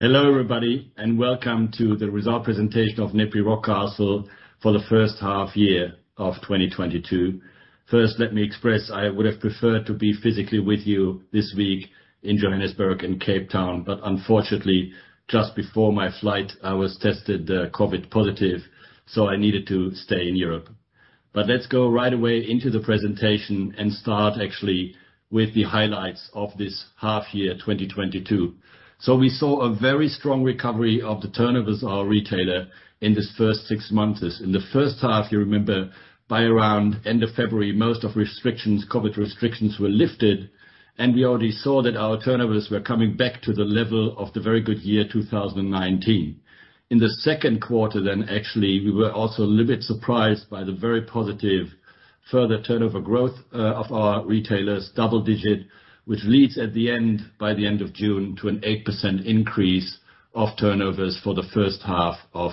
Hello, everybody, and welcome to the results presentation of NEPI Rockcastle for the first half year of 2022. First, let me express I would have preferred to be physically with you this week in Johannesburg and Cape Town, but unfortunately, just before my flight, I was tested COVID positive, so I needed to stay in Europe. Let's go right away into the presentation and start actually with the highlights of this half year, 2022. We saw a very strong recovery of the turnovers of our retailers in this first six months. In the first half, you remember by around the end of February, most of the restrictions, COVID restrictions were lifted, and we already saw that our turnovers were coming back to the level of the very good year, 2019. In the second quarter then actually we were also a little bit surprised by the very positive further turnover growth of our retailers, double-digit, which leads at the end of June to an 8% increase of turnovers for the first half of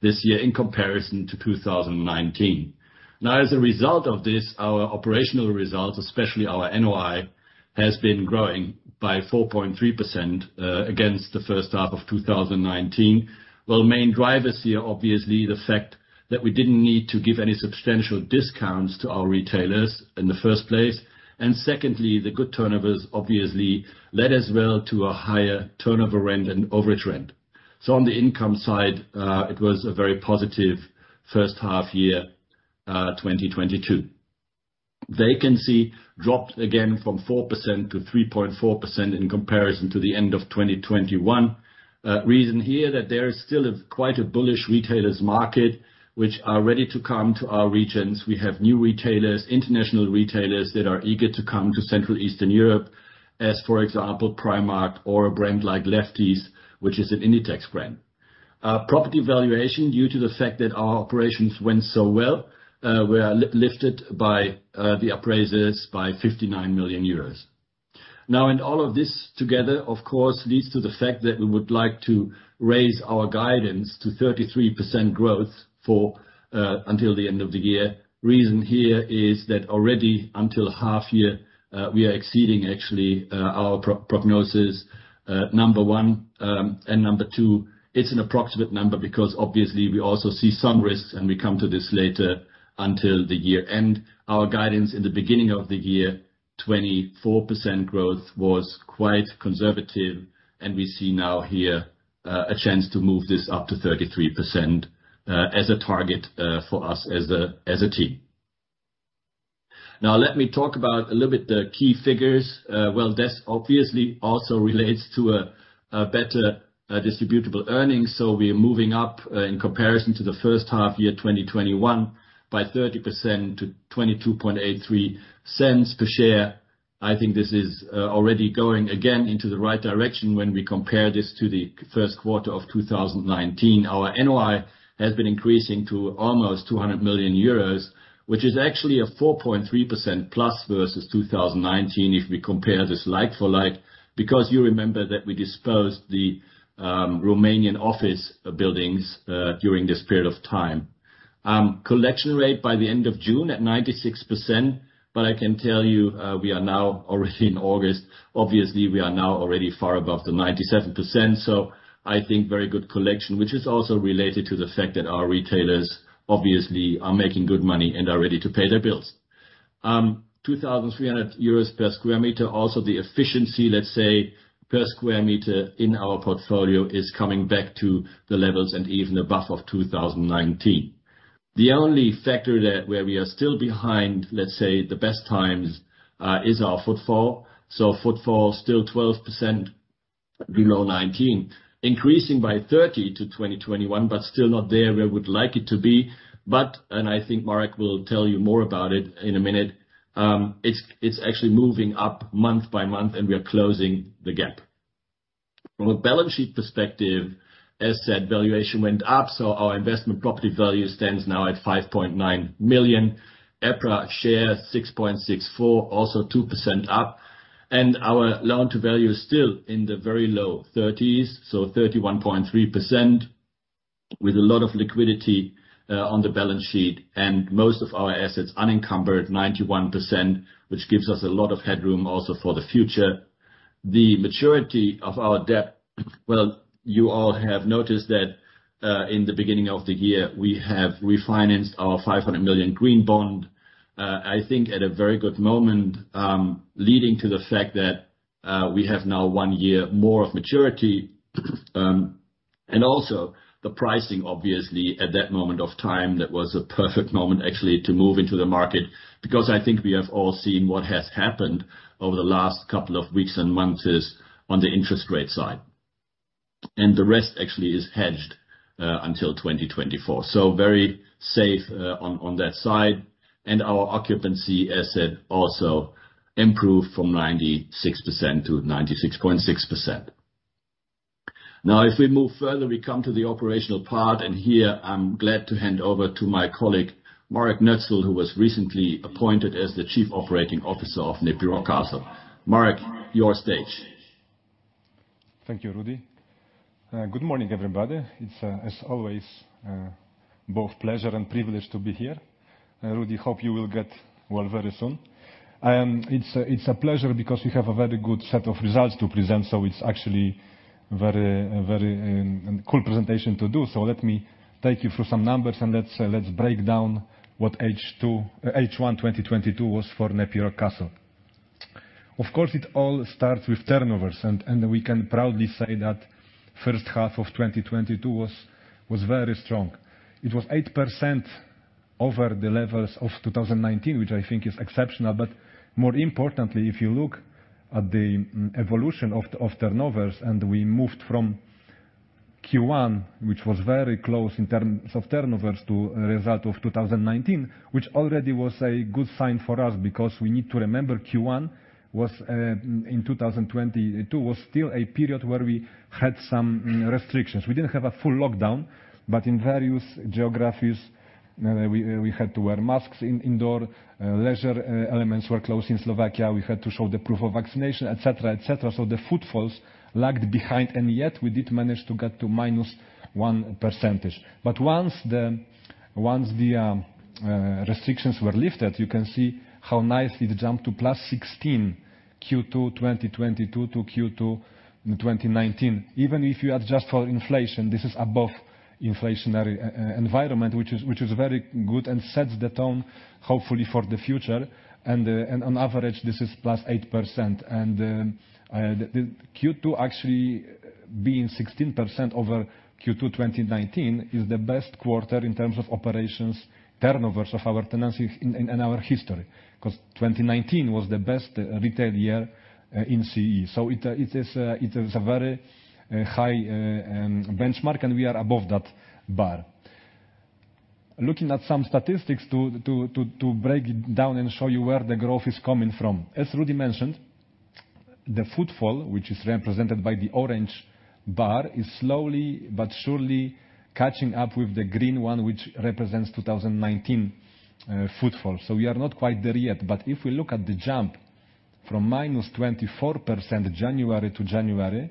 this year in comparison to 2019. Now, as a result of this, our operational results, especially our NOI, has been growing by 4.3% against the first half of 2019. Well, main drivers here, obviously the fact that we didn't need to give any substantial discounts to our retailers in the first place. Secondly, the good turnovers obviously led as well to a higher turnover rent and over trend. On the income side, it was a very positive first half year, 2022. Vacancy dropped again from 4% to 3.4% in comparison to the end of 2021. Reason here that there is still quite a bullish retailers market which are ready to come to our regions. We have new retailers, international retailers that are eager to come to Central and Eastern Europe as, for example, Primark or a brand like Lefties, which is an Inditex brand. Property valuation, due to the fact that our operations went so well, were lifted by the appraisers by 59 million euros. Now, in all of this together, of course, leads to the fact that we would like to raise our guidance to 33% growth for until the end of the year. Reason here is that already until half year, we are exceeding actually, our prognosis, number one, and number two, it's an approximate number because obviously we also see some risks, and we come to this later, until the year end. Our guidance in the beginning of the year, 24% growth, was quite conservative, and we see now here, a chance to move this up to 33%, as a target, for us as a team. Now let me talk about a little bit the key figures. This obviously also relates to a better distributable earnings. We are moving up, in comparison to the first half year, 2021 by 30% to 0.2283 per share. I think this is already going again into the right direction when we compare this to the first quarter of 2019. Our NOI has been increasing to almost 200 million euros, which is actually a 4.3% plus versus 2019 if we compare this like for like, because you remember that we disposed of the Romanian office buildings during this period of time. Collection rate by the end of June at 96%. I can tell you, we are now already in August. Obviously, we are now already far above the 97%. I think very good collection, which is also related to the fact that our retailers obviously are making good money and are ready to pay their bills. 2,300 euros per sq m. The efficiency, let's say, per sq m in our portfolio is coming back to the levels and even above of 2019. The only factor that where we are still behind, let's say the best times, is our footfall. Footfall still 12% below 2019, increasing by 30 to 2021, but still not there where we would like it to be. And I think Marek will tell you more about it in a minute, it's actually moving up month by month, and we are closing the gap. From a balance sheet perspective, asset valuation went up, so our investment property value stands now at 5.9 million. EPRA share 6.64, also 2% up. Our loan to value is still in the very low thirties, so 31.3% with a lot of liquidity on the balance sheet. Most of our assets unencumbered 91%, which gives us a lot of headroom also for the future. The maturity of our debt. Well, you all have noticed that in the beginning of the year, we have refinanced our 500 million green bond, I think at a very good moment, leading to the fact that we have now one year more of maturity. And also the pricing, obviously at that moment of time, that was a perfect moment actually to move into the market, because I think we have all seen what has happened over the last couple of weeks and months on the interest rate side. The rest actually is hedged until 2024. Very safe on that side. Our occupancy asset also improved from 96% to 96.6%. Now, if we move further, we come to the operational part, and here I'm glad to hand over to my colleague, Marek Noetzel, who was recently appointed as the Chief Operating Officer of NEPI Rockcastle. Marek, your stage. Thank you, Rüdiger. Good morning, everybody. It's as always both pleasure and privilege to be here. Rüdiger, hope you will get well very soon. It's a pleasure because we have a very good set of results to present, so it's actually very cool presentation to do. Let me take you through some numbers, and let's break down what H1 2022 was for NEPI Rockcastle. Of course, it all starts with turnovers, and we can proudly say that first half of 2022 was very strong. It was 8% over the levels of 2019, which I think is exceptional. More importantly, if you look at the evolution of turnovers, and we moved from Q1, which was very close in terms of turnovers to result of 2019, which already was a good sign for us. Because we need to remember Q1 in 2022 was still a period where we had some restrictions. We didn't have a full lockdown, but in various geographies, we had to wear masks in indoor leisure elements were closed in Slovakia. We had to show the proof of vaccination, et cetera. The footfalls lagged behind, and yet we did manage to get to -1%. Once the restrictions were lifted, you can see how nicely it jumped to +16% Q2 2022 to Q2 in 2019. Even if you adjust for inflation, this is above inflationary environment, which is very good and sets the tone, hopefully for the future. On average, this is +8%. The Q2 actually being 16% over Q2 2019 is the best quarter in terms of operations, turnovers of our tenancy in our history, 'cause 2019 was the best retail year in CEE. It is a very high benchmark, and we are above that bar. Looking at some statistics to break it down and show you where the growth is coming from. As Rudy mentioned, the footfall, which is represented by the orange bar, is slowly but surely catching up with the green one, which represents 2019 footfall. We are not quite there yet, but if we look at the jump from -24% January to January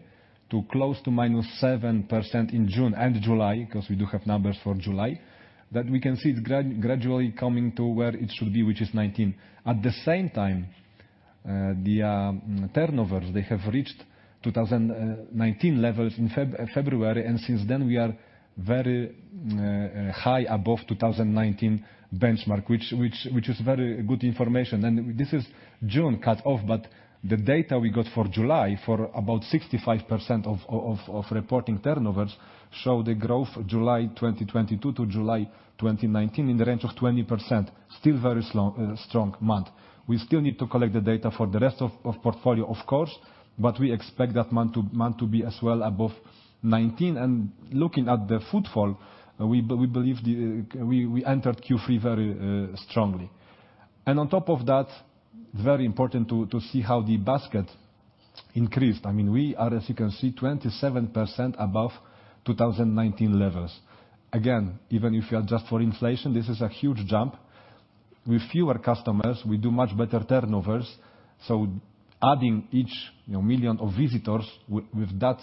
to close to -7% in June and July, 'cause we do have numbers for July, that we can see it gradually coming to where it should be, which is 19. At the same time, the turnovers, they have reached 2019 levels in February, and since then, we are very high above 2019 benchmark, which is very good information. This is June cut-off, but the data we got for July for about 65% of reporting turnovers show the growth July 2022 to July 2019 in the range of 20%. Still very strong month. We still need to collect the data for the rest of portfolio, of course, but we expect that month to be as well above 19%. Looking at the footfall, we believe we entered Q3 very strongly. On top of that, very important to see how the basket increased. I mean, we are, as you can see, 27% above 2019 levels. Again, even if you adjust for inflation, this is a huge jump. With fewer customers, we do much better turnovers, so adding each, you know, million of visitors with that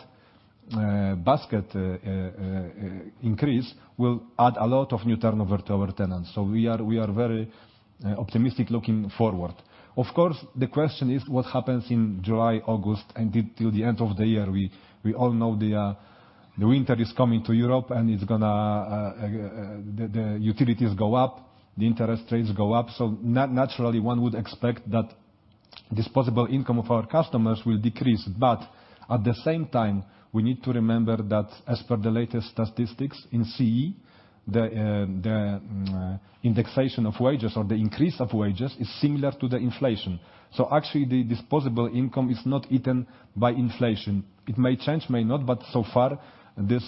basket increase will add a lot of new turnover to our tenants. We are very optimistic looking forward. Of course, the question is what happens in July, August and till the end of the year. We all know the winter is coming to Europe, and the utilities go up, the interest rates go up. Naturally, one would expect that this possible income of our customers will decrease. At the same time, we need to remember that as per the latest statistics in CEE, indexation of wages or the increase of wages is similar to the inflation. Actually, the disposable income is not eaten by inflation. It may change, may not, but so far, this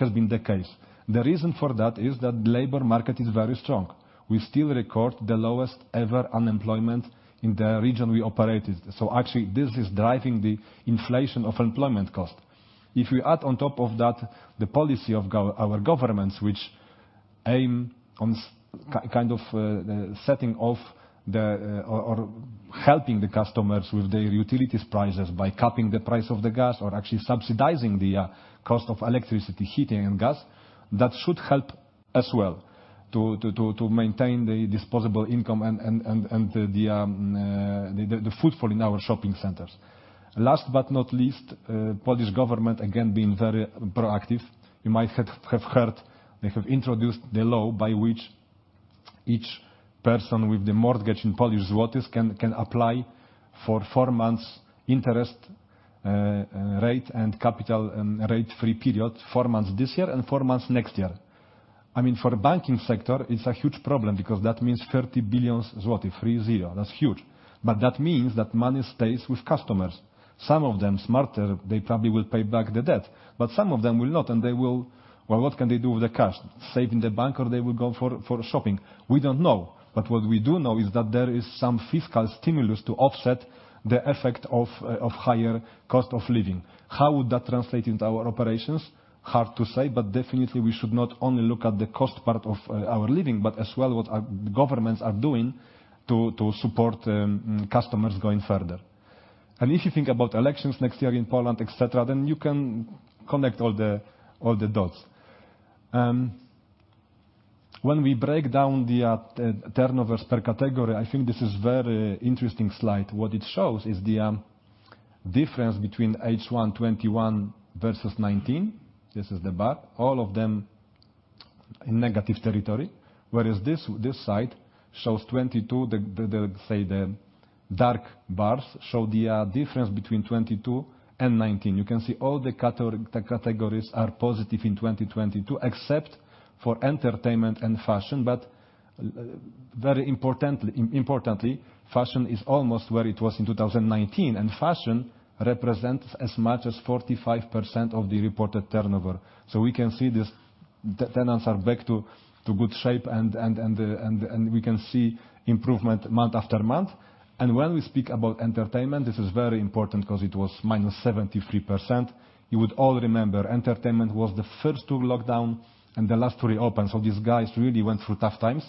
has been the case. The reason for that is that labor market is very strong. We still record the lowest ever unemployment in the region we operated. Actually, this is driving the inflation of employment cost. If we add on top of that, the policy of our governments, which aim on kind of setting off or helping the customers with their utilities prices by capping the price of the gas or actually subsidizing the cost of electricity, heating and gas, that should help as well to maintain the disposable income and the footfall in our shopping centers. Last but not least, Polish government again being very proactive. You might have heard they have introduced the law by which each person with the mortgage in Polish zlotys can apply for four months interest rate and capital and rate free period, four months this year and four months next year. I mean, for the banking sector, it's a huge problem because that means 30 billion zlotys. That's huge. That means that money stays with customers. Some of them, smarter, they probably will pay back the debt, but some of them will not, and they will. Well, what can they do with the cash? Save in the bank or they will go for shopping. We don't know. What we do know is that there is some fiscal stimulus to offset the effect of higher cost of living. How would that translate into our operations? Hard to say, but definitely we should not only look at the cost part of our living, but as well what our governments are doing to support customers going further. If you think about elections next year in Poland, et cetera, then you can connect all the dots. When we break down the turnovers per category, I think this is very interesting slide. What it shows is the difference between H1 2021 versus 2019. This is the bar. All of them in negative territory. Whereas this side shows 2022, the dark bars show the difference between 2022 and 2019. You can see all the categories are positive in 2022, except for entertainment and fashion. Very importantly, fashion is almost where it was in 2019, and fashion represents as much as 45% of the reported turnover. We can see the tenants are back to good shape and we can see improvement month after month. When we speak about entertainment, this is very important because it was -73%. You would all remember, entertainment was the first to lockdown and the last to reopen. These guys really went through tough times.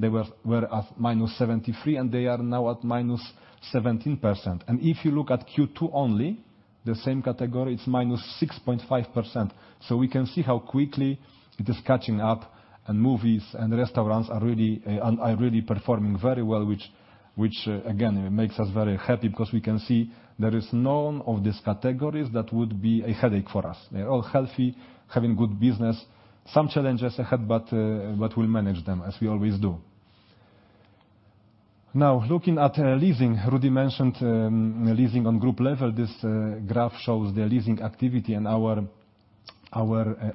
They were at -73%, and they are now at -17%. If you look at Q2 only, the same category, it's -6.5%. We can see how quickly it is catching up and movies and restaurants are really performing very well, which again makes us very happy because we can see there is none of these categories that would be a headache for us. They're all healthy, having good business. Some challenges ahead, but we'll manage them as we always do. Now, looking at leasing. Rüdiger mentioned leasing on group level. This graph shows the leasing activity and our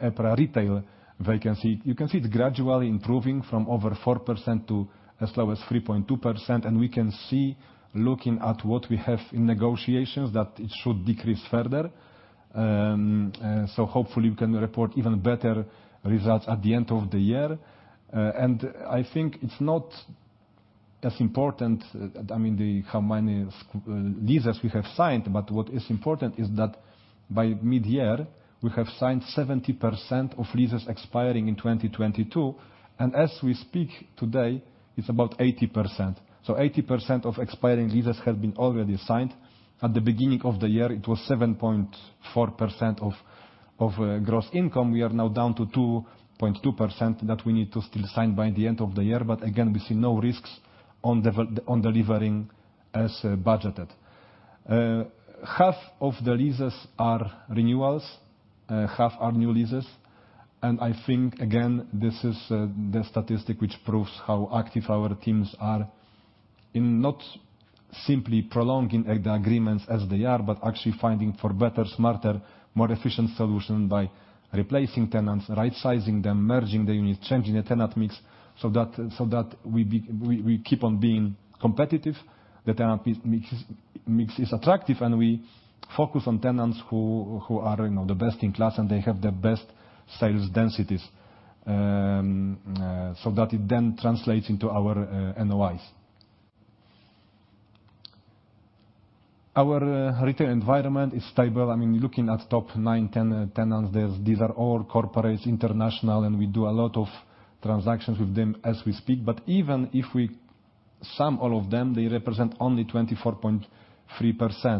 EPRA retail vacancy. You can see it's gradually improving from over 4% to as low as 3.2%. We can see, looking at what we have in negotiations, that it should decrease further. Hopefully we can report even better results at the end of the year. I think it's not as important, I mean, how many leases we have signed, but what is important is that by mid-year we have signed 70% of leases expiring in 2022, and as we speak today, it's about 80%. 80% of expiring leases have been already signed. At the beginning of the year, it was 7.4% of gross income. We are now down to 2.2% that we need to still sign by the end of the year. Again, we see no risks on delivering as budgeted. Half of the leases are renewals, half are new leases. I think, again, this is the statistic which proves how active our teams are in not simply prolonging the agreements as they are, but actually finding better, smarter, more efficient solutions by replacing tenants, right-sizing them, merging the units, changing the tenant mix so that we keep on being competitive. The tenant mix is attractive and we focus on tenants who are, you know, the best in class and they have the best sales densities. So that it then translates into our NOIs. Our retail environment is stable. I mean, looking at top 9, 10 tenants, these are all corporates, international, and we do a lot of transactions with them as we speak. Even if we sum all of them, they represent only 24.3%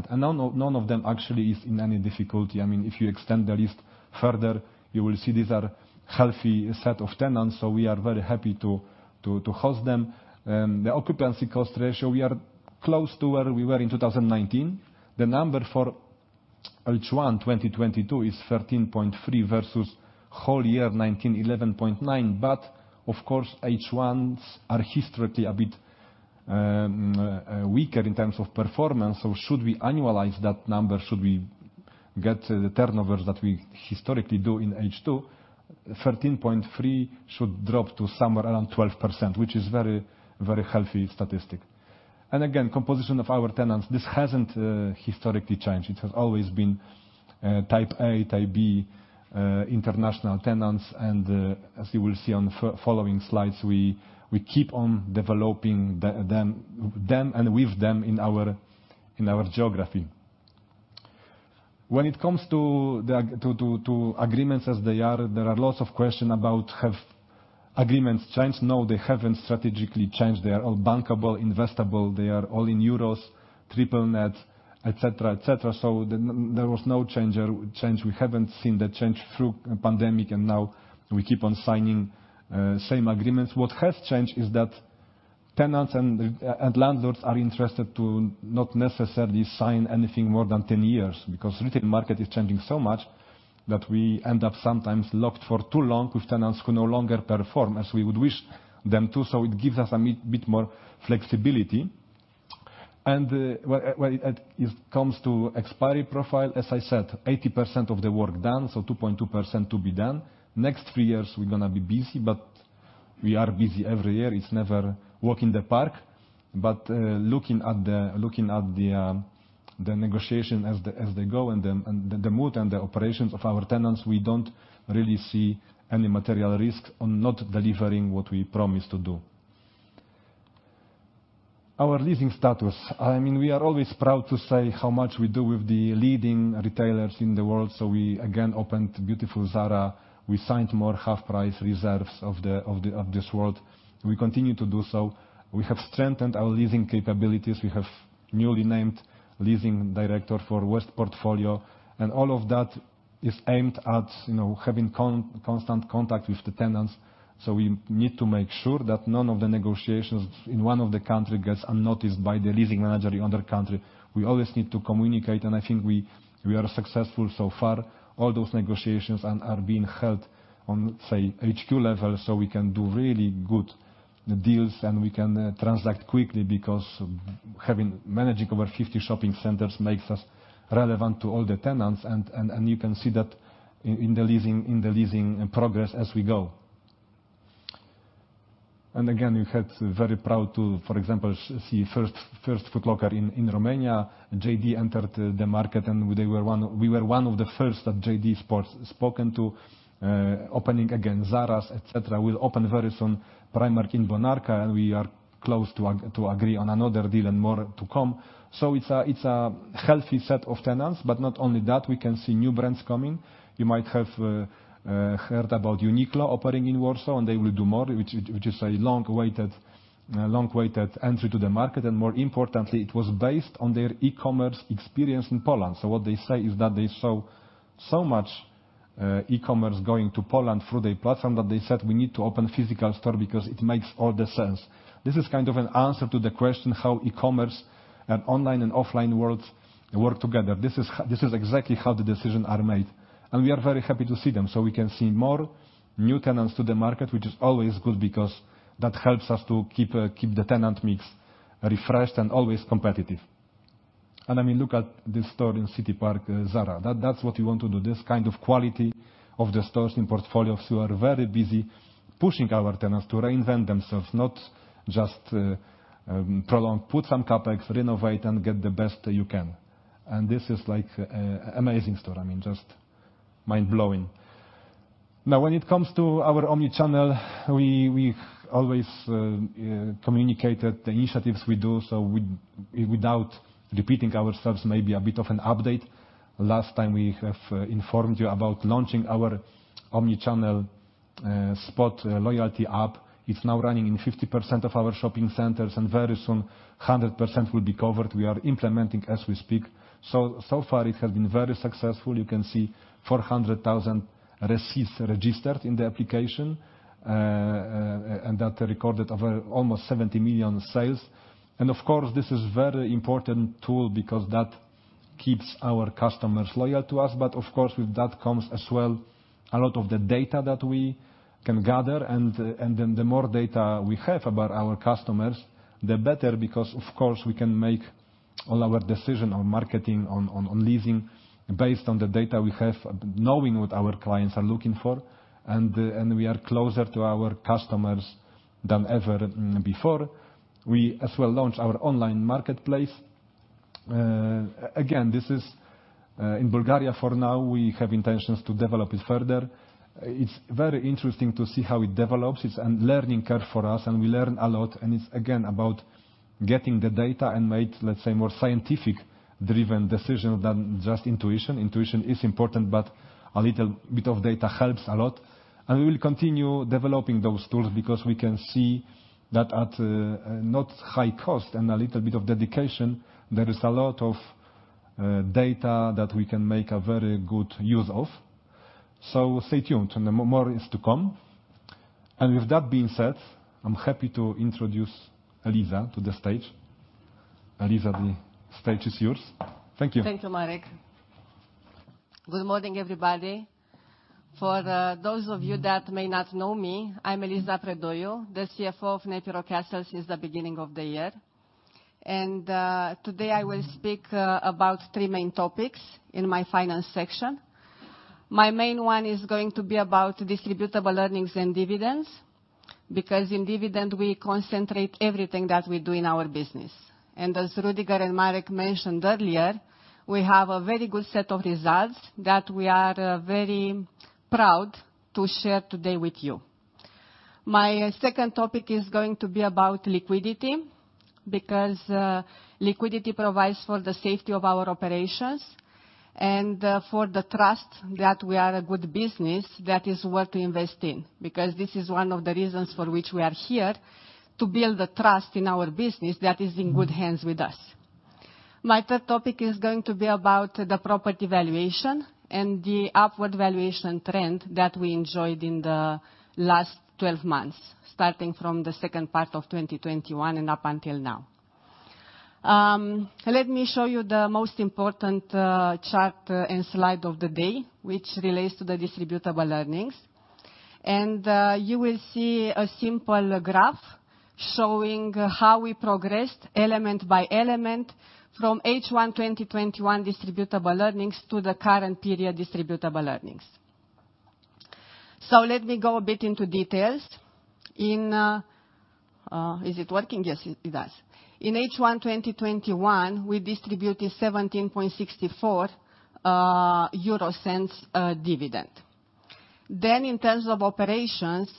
and none of them actually is in any difficulty. I mean, if you extend the list further, you will see these are healthy set of tenants. We are very happy to host them. The occupancy cost ratio, we are close to where we were in 2019. The number for H1 2022 is 13.3% versus whole year 2019, 11.9%. Of course, H1's are historically a bit weaker in terms of performance. Should we annualize that number? Should we get the turnovers that we historically do in H2, 13.3% should drop to somewhere around 12%, which is very, very healthy statistic. Again, composition of our tenants, this hasn't historically changed. It has always been type A, type B, international tenants. As you will see on the following slides, we keep on developing them and with them in our geography. When it comes to the agreements as they are, there are lots of questions about whether agreements have changed. No, they haven't strategically changed. They are all bankable, investable. They are all in Euros, triple net, et cetera. There was no change. We haven't seen the change through the pandemic and now we keep on signing same agreements. What has changed is that tenants and landlords are interested to not necessarily sign anything more than 10 years because retail market is changing so much that we end up sometimes locked for too long with tenants who no longer perform as we would wish them to. It gives us a bit more flexibility. When it comes to expiry profile, as I said, 80% of the work done, so 2.2% to be done. Next three years we're gonna be busy, but we are busy every year. It's never walk in the park. Looking at the negotiation as they go and the mood and the operations of our tenants, we don't really see any material risk on not delivering what we promised to do. Our leasing status. I mean, we are always proud to say how much we do with the leading retailers in the world. We again opened beautiful Zara. We signed more HalfPrice stores of this world. We continue to do so. We have strengthened our leasing capabilities. We have newly named leasing director for West portfolio, and all of that is aimed at, you know, having constant contact with the tenants. We need to make sure that none of the negotiations in one of the country gets unnoticed by the leasing manager in other country. We always need to communicate, and I think we are successful so far. All those negotiations are being held on, say, HQ level, so we can do really good deals and we can transact quickly because having managing over 50 shopping centers makes us relevant to all the tenants and you can see that in the leasing progress as we go. Again, we're very proud to, for example, see first Foot Locker in Romania. JD entered the market and we were one of the first that JD Sports spoke to. Opening again, Zara's, et cetera. We opened very soon Primark in Bonarka, and we are close to agree on another deal and more to come. It's a healthy set of tenants, but not only that, we can see new brands coming. You might have heard about Uniqlo opening in Warsaw, and they will do more, which is a long-awaited entry to the market. More importantly, it was based on their e-commerce experience in Poland. What they say is that they saw so much e-commerce going to Poland through their platform that they said, "We need to open physical store because it makes all the sense." This is kind of an answer to the question how e-commerce and online and offline worlds work together. This is exactly how the decision are made. We are very happy to see them. We can see more new tenants to the market, which is always good because that helps us to keep the tenant mix refreshed and always competitive. I mean, look at this store in City Park, Zara. That's what you want to do, this kind of quality of the stores in portfolios who are very busy pushing our tenants to reinvent themselves, not just, prolong. Put some CapEx, renovate, and get the best you can. This is like, amazing store. I mean, just mind-blowing. Now when it comes to our omni-channel, we always communicated the initiatives we do. Without repeating ourselves, maybe a bit of an update. Last time we have informed you about launching our omni-channel SPOT loyalty app. It's now running in 50% of our shopping centers, and very soon 100% will be covered. We are implementing as we speak. So far it has been very successful. You can see 400,000 receipts registered in the application, and that recorded over almost 70 million sales. Of course, this is very important tool because that keeps our customers loyal to us. Of course, with that comes as well a lot of the data that we can gather. Then the more data we have about our customers, the better because of course, we can make all our decisions on marketing, on leasing based on the data we have, knowing what our clients are looking for, and we are closer to our customers than ever before. We as well launched our online marketplace. Again, this is in Bulgaria for now. We have intentions to develop it further. It's very interesting to see how it develops. It's a learning curve for us, and we learn a lot. It's again about getting the data and make, let's say, more scientific-driven decisions than just intuition. Intuition is important, but a little bit of data helps a lot. We will continue developing those tools because we can see that at not high cost and a little bit of dedication, there is a lot of data that we can make a very good use of. Stay tuned. More is to come. With that being said, I'm happy to introduce Eliza to the stage. Eliza, the stage is yours. Thank you. Thank you, Marek. Good morning, everybody. For those of you that may not know me, I'm Eliza Predoiu, the CFO of NEPI Rockcastle since the beginning of the year. Today I will speak about three main topics in my finance section. My main one is going to be about distributable earnings and dividends, because in dividend we concentrate everything that we do in our business. As Rüdiger and Marek mentioned earlier, we have a very good set of results that we are very proud to share today with you. My second topic is going to be about liquidity, because liquidity provides for the safety of our operations and for the trust that we are a good business that is worth to invest in, because this is one of the reasons for which we are here, to build a trust in our business that is in good hands with us. My third topic is going to be about the property valuation and the upward valuation trend that we enjoyed in the last 12 months, starting from the second part of 2021 and up until now. Let me show you the most important chart and slide of the day, which relates to the distributable earnings. You will see a simple graph showing how we progressed element by element from H1 2021 distributable earnings to the current period distributable earnings. Let me go a bit into details. Is it working? Yes, it does. In H1 2021, we distributed 0.1764 dividend. In terms of operations,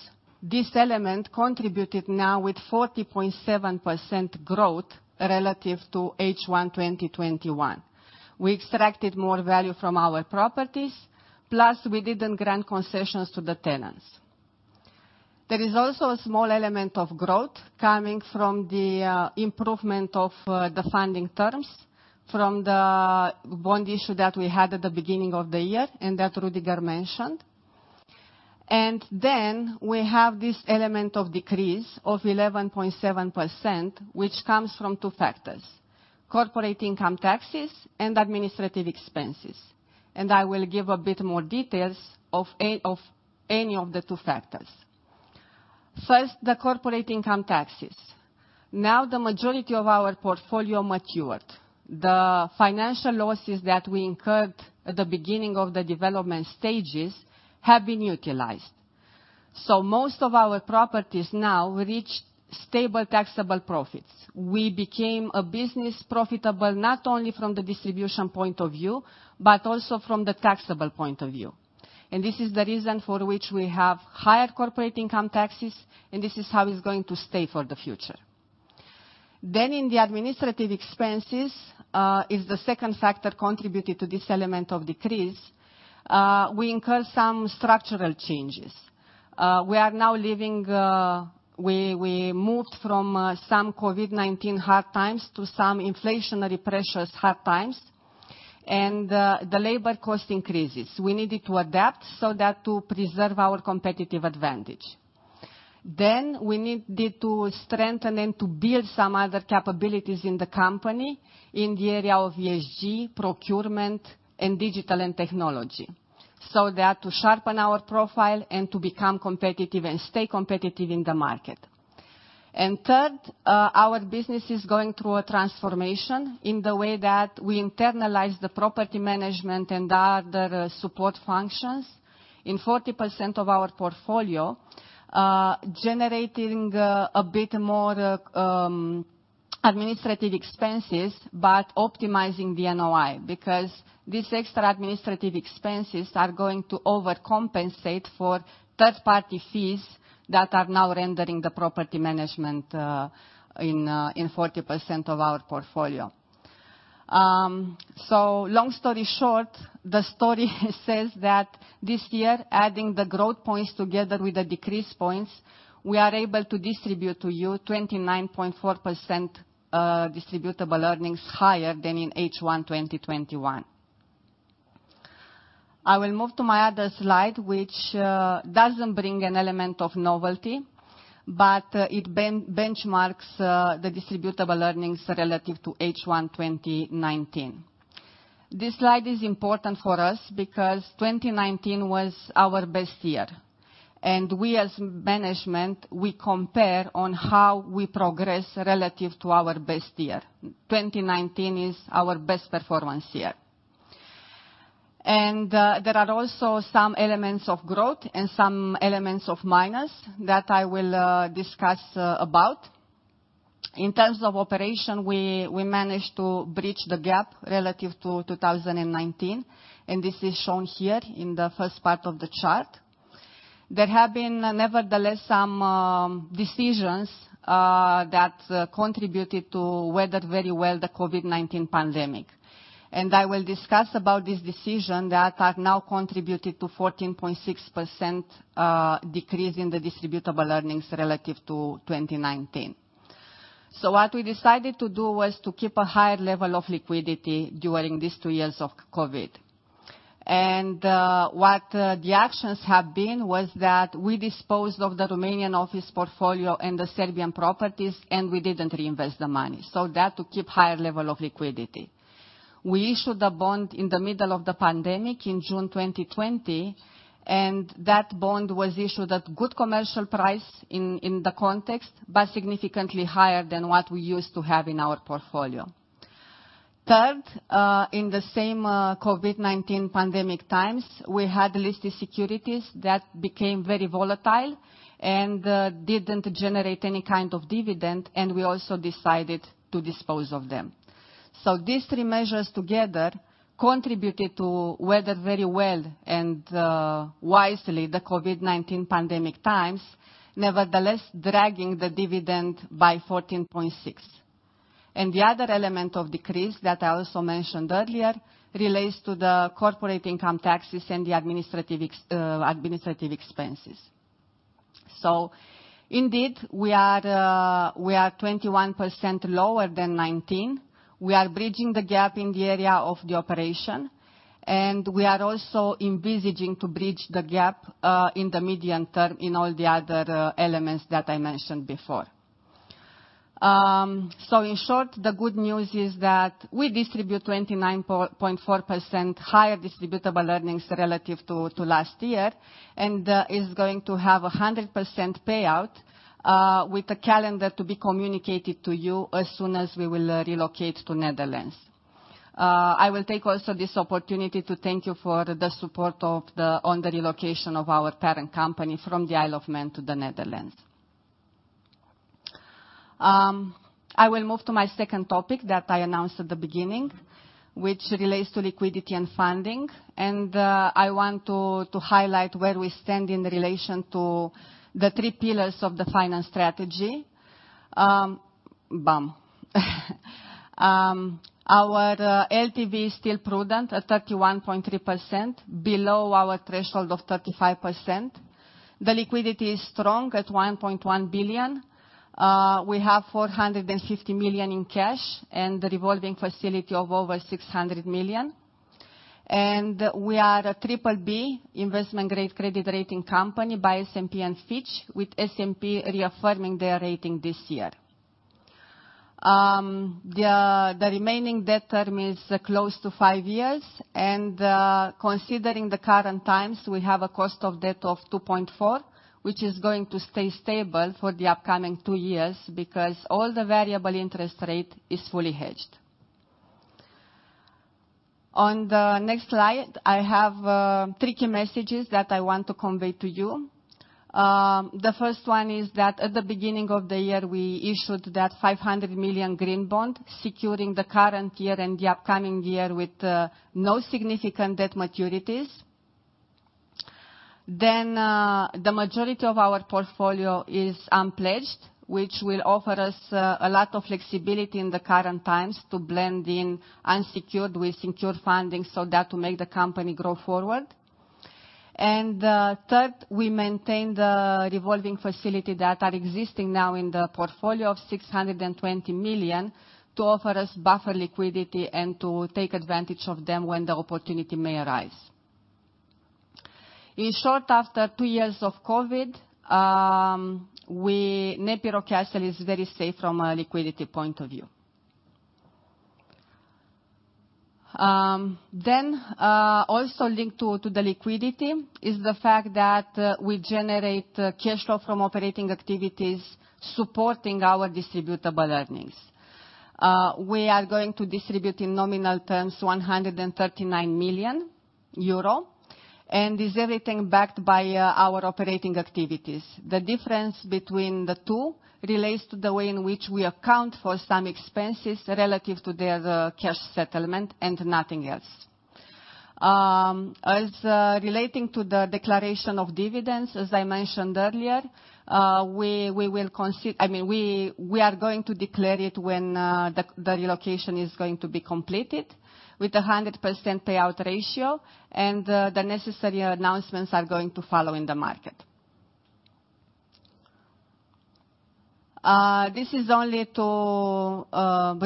this element contributed now with 40.7% growth relative to H1 2021. We extracted more value from our properties, plus we didn't grant concessions to the tenants. There is also a small element of growth coming from the improvement of the funding terms from the bond issue that we had at the beginning of the year and that Rüdiger mentioned. We have this element of decrease of 11.7%, which comes from two factors, corporate income taxes and administrative expenses. I will give a bit more details of any of the two factors. First, the corporate income taxes. Now the majority of our portfolio matured. The financial losses that we incurred at the beginning of the development stages have been utilized. Most of our properties now reach stable taxable profits. We became a business profitable not only from the distribution point of view, but also from the taxable point of view. This is the reason for which we have higher corporate income taxes, and this is how it's going to stay for the future. In the administrative expenses, is the second factor contributed to this element of decrease. We incurred some structural changes. We moved from some COVID-19 hard times to some inflationary pressures hard times, and the labor cost increases. We needed to adapt so that to preserve our competitive advantage. We needed to strengthen and to build some other capabilities in the company in the area of ESG, procurement, and digital and technology, so that to sharpen our profile and to become competitive and stay competitive in the market. Third, our business is going through a transformation in the way that we internalize the property management and other support functions in 40% of our portfolio, generating a bit more administrative expenses, but optimizing the NOI because these extra administrative expenses are going to overcompensate for third-party fees that are now rendering the property management, in 40% of our portfolio. So long story short, the story says that this year, adding the growth points together with the decrease points, we are able to distribute to you 29.4% distributable earnings higher than in H1 2021. I will move to my other slide, which doesn't bring an element of novelty, but it benchmarks the distributable earnings relative to H1 2019. This slide is important for us because 2019 was our best year, and we as management, we compare on how we progress relative to our best year. 2019 is our best performance year. There are also some elements of growth and some elements of minus that I will discuss about. In terms of operation, we managed to bridge the gap relative to 2019, and this is shown here in the first part of the chart. There have been, nevertheless, some decisions that contributed to weather very well the COVID-19 pandemic. I will discuss about this decision that have now contributed to 14.6% decrease in the distributable earnings relative to 2019. What we decided to do was to keep a higher level of liquidity during these two years of COVID. What the actions have been was that we disposed of the Romanian office portfolio and the Serbian properties, and we didn't reinvest the money, so that to keep higher level of liquidity. We issued a bond in the middle of the pandemic in June 2020, and that bond was issued at good commercial price in the context, but significantly higher than what we used to have in our portfolio. Third, in the same COVID-19 pandemic times, we had listed securities that became very volatile and didn't generate any kind of dividend, and we also decided to dispose of them. These three measures together contributed to weather very well and wisely the COVID-19 pandemic times, nevertheless, dragging the dividend by 14.6%. The other element of decrease that I also mentioned earlier relates to the corporate income taxes and the administrative expenses. Indeed, we are 21% lower than 2019. We are bridging the gap in the area of the operation, and we are also envisaging to bridge the gap in the medium term in all the other elements that I mentioned before. In short, the good news is that we distribute 29.4% higher distributable earnings relative to last year and is going to have a 100% payout with the calendar to be communicated to you as soon as we will relocate to the Netherlands. I will take also this opportunity to thank you for the support on the relocation of our parent company from the Isle of Man to the Netherlands. I will move to my second topic that I announced at the beginning, which relates to liquidity and funding. I want to highlight where we stand in relation to the three pillars of the finance strategy. Our LTV is still prudent at 31.3%, below our threshold of 35%. The liquidity is strong at 1.1 billion. We have 450 million in cash and the revolving facility of over 600 million. We are a BBB investment-grade credit rating company by S&P and Fitch, with S&P reaffirming their rating this year. The remaining debt term is close to five years, and considering the current times, we have a cost of debt of 2.4%, which is going to stay stable for the upcoming two years because all the variable interest rate is fully hedged. On the next slide, I have three key messages that I want to convey to you. The first one is that at the beginning of the year, we issued that 500 million green bond, securing the current year and the upcoming year with no significant debt maturities. The majority of our portfolio is unpledged, which will offer us a lot of flexibility in the current times to blend in unsecured with secured funding so that to make the company grow forward. Third, we maintain the revolving facility that are existing now in the portfolio of 620 million to offer us buffer liquidity and to take advantage of them when the opportunity may arise. In short, after two years of COVID, NEPI Rockcastle is very safe from a liquidity point of view. Also linked to the liquidity is the fact that we generate cash flow from operating activities supporting our distributable earnings. We are going to distribute in nominal terms 139 million euro, and is everything backed by our operating activities. The difference between the two relates to the way in which we account for some expenses relative to their cash settlement and nothing else. As relating to the declaration of dividends, as I mentioned earlier, I mean, we are going to declare it when the relocation is going to be completed with a 100% payout ratio, and the necessary announcements are going to follow in the market. This is only to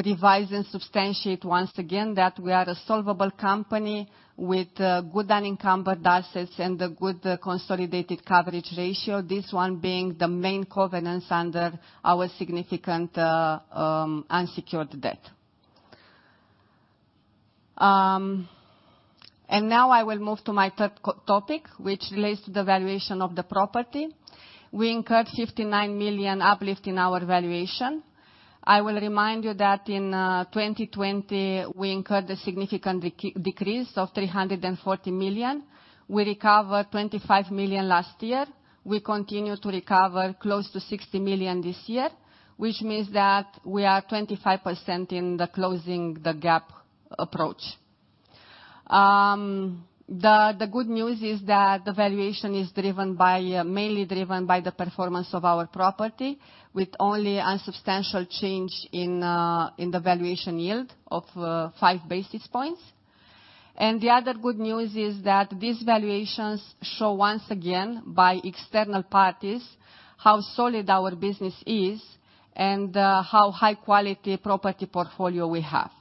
revise and substantiate once again that we are a solvable company with good unencumbered assets and a good consolidated coverage ratio, this one being the main covenants under our significant unsecured debt. Now I will move to my third topic, which relates to the valuation of the property. We incurred 59 million uplift in our valuation. I will remind you that in 2020, we incurred a significant decrease of 340 million. We recovered 25 million last year. We continue to recover close to 60 million this year, which means that we are 25% in the closing the gap approach. The good news is that the valuation is driven by the performance of our property, with only unsubstantial change in the valuation yield of five basis points. The other good news is that these valuations show once again by external parties how solid our business is and how high quality property portfolio we have.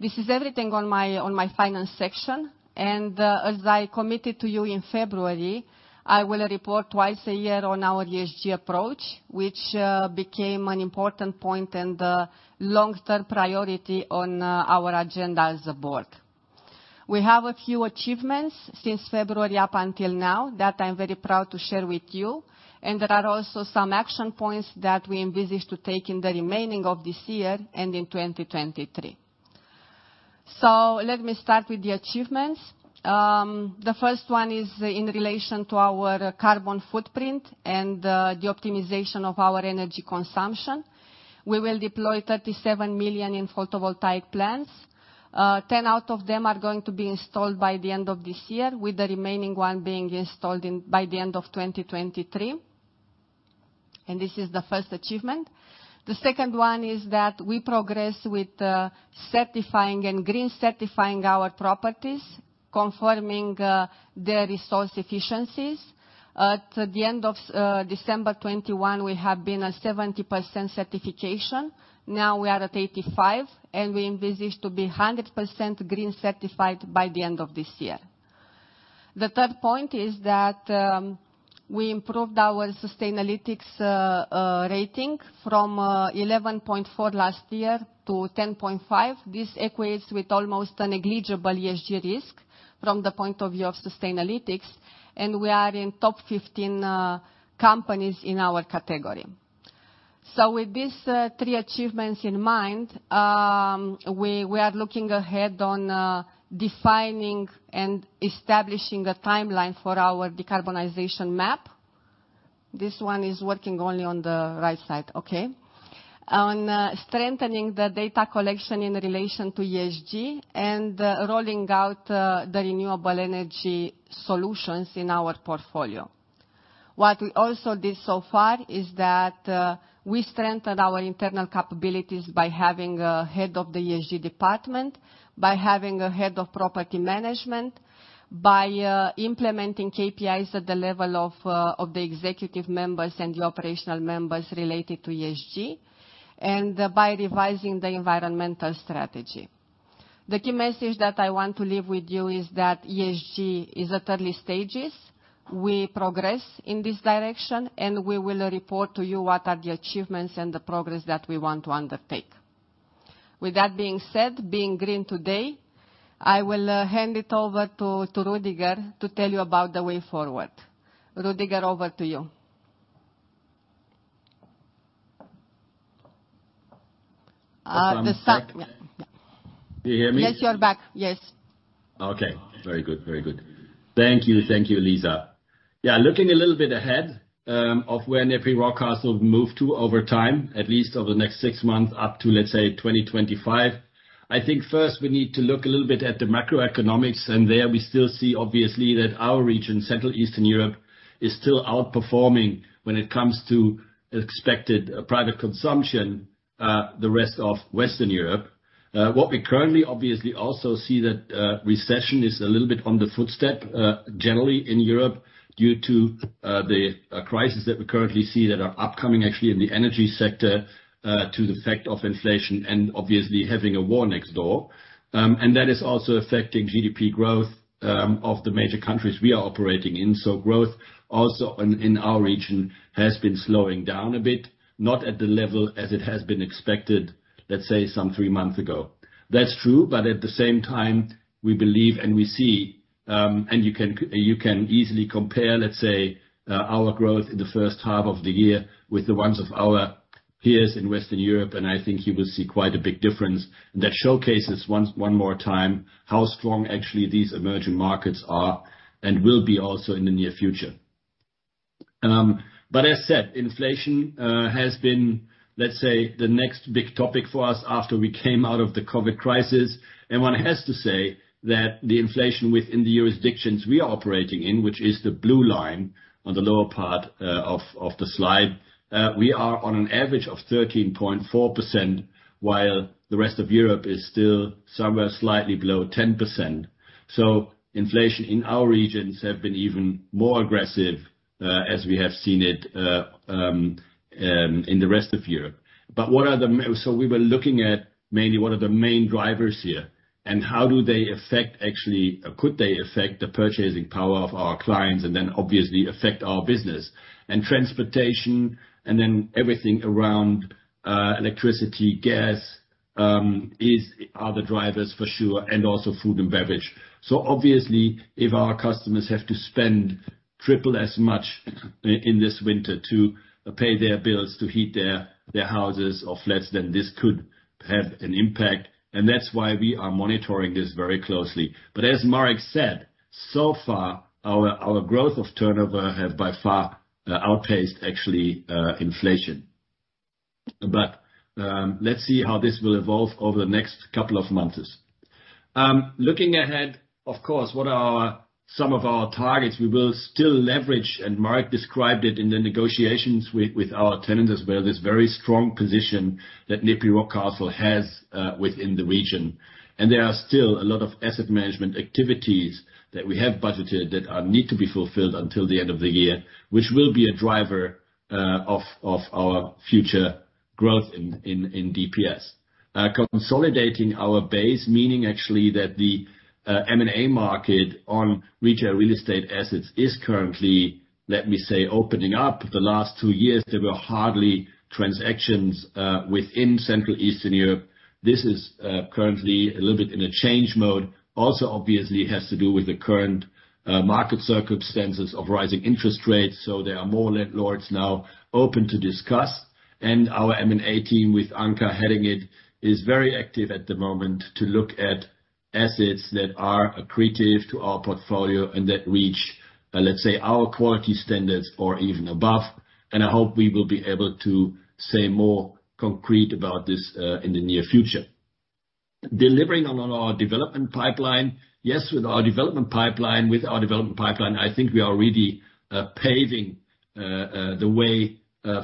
This is everything on my finance section, and as I committed to you in February, I will report twice a year on our ESG approach, which became an important point and long-term priority on our agenda as a board. We have a few achievements since February up until now that I'm very proud to share with you, and there are also some action points that we envisage to take in the remaining of this year and in 2023. Let me start with the achievements. The first one is in relation to our carbon footprint and the optimization of our energy consumption. We will deploy 37 million in photovoltaic plants. Ten out of them are going to be installed by the end of this year, with the remaining one being installed by the end of 2023. This is the first achievement. The second one is that we progress with certifying and green certifying our properties, confirming their resource efficiencies. At the end of December 2021, we have been at 70% certification. Now we are at 85%, and we envisage to be 100% green certified by the end of this year. The third point is that we improved our Sustainalytics rating from 11.4 last year to 10.5. This equates with almost a negligible ESG risk from the point of view of Sustainalytics, and we are in top 15 companies in our category. With these three achievements in mind, we are looking ahead on defining and establishing a timeline for our decarbonization map. This one is working only on the right side. Okay. On strengthening the data collection in relation to ESG and rolling out the renewable energy solutions in our portfolio. What we also did so far is that we strengthened our internal capabilities by having a head of the ESG department, by having a head of property management, by implementing KPIs at the level of the executive members and the operational members related to ESG, and by revising the environmental strategy. The key message that I want to leave with you is that ESG is at early stages. We progress in this direction, and we will report to you what are the achievements and the progress that we want to undertake. With that being said, being green today, I will hand it over to Rüdiger to tell you about the way forward. Rüdiger, over to you. Can you hear me? Yes, you're back. Yes. Okay, very good. Thank you, Eliza. Yeah, looking a little bit ahead of where NEPI Rockcastle moves to over time, at least over the next six months up to, let's say, 2025. I think first we need to look a little bit at the macroeconomics. There we still see, obviously, that our region, Central and Eastern Europe, is still outperforming when it comes to expected private consumption, the rest of Western Europe. What we currently obviously also see that recession is a little bit on the doorstep generally in Europe due to the crisis that we currently see that are upcoming actually in the energy sector to the effect of inflation and obviously having a war next door. That is also affecting GDP growth of the major countries we are operating in. Growth also in our region has been slowing down a bit, not at the level as it has been expected, let's say, three months ago. That's true, but at the same time, we believe, and we see, and you can easily compare, let's say, our growth in the first half of the year with the ones of our peers in Western Europe, and I think you will see quite a big difference. That showcases one more time how strong actually these emerging markets are and will be also in the near future. As said, inflation has been, let's say, the next big topic for us after we came out of the COVID crisis. One has to say that the inflation within the jurisdictions we are operating in, which is the blu storiesseven storiese line on the lower part of the slide, we are on an average of 13.4%, while the rest of Europe is still somewhere slightly below 10%. Inflation in our regions have been even more aggressive, as we have seen it in the rest of Europe. What are the main drivers here and how do they affect, actually, could they affect the purchasing power of our clients and then obviously affect our business. Transportation and then everything around electricity, gas, are the drivers for sure, and also food and beverage. Obviously, if our customers have to spend triple as much in this winter to pay their bills to heat their houses or flats, then this could have an impact. That's why we are monitoring this very closely. As Marek said, so far, our growth of turnover have by far outpaced actually inflation. Let's see how this will evolve over the next couple of months. Looking ahead, of course, what are some of our targets? We will still leverage, and Marek described it in the negotiations with our tenants as well, this very strong position that NEPI Rockcastle has within the region. There are still a lot of asset management activities that we have budgeted that need to be fulfilled until the end of the year, which will be a driver of our future growth in DPS. Consolidating our base, meaning actually that the M&A market on retail real estate assets is currently, let me say, opening up. The last two years, there were hardly transactions within Central and Eastern Europe. This is currently a little bit in a change mode. Also obviously has to do with the current market circumstances of rising interest rates, so there are more landlords now open to discuss. Our M&A team with Anca heading it is very active at the moment to look at assets that are accretive to our portfolio and that reach, let's say, our quality standards or even above. I hope we will be able to say more concrete about this in the near future. Delivering on our development pipeline. Yes, with our development pipeline, I think we are really paving the way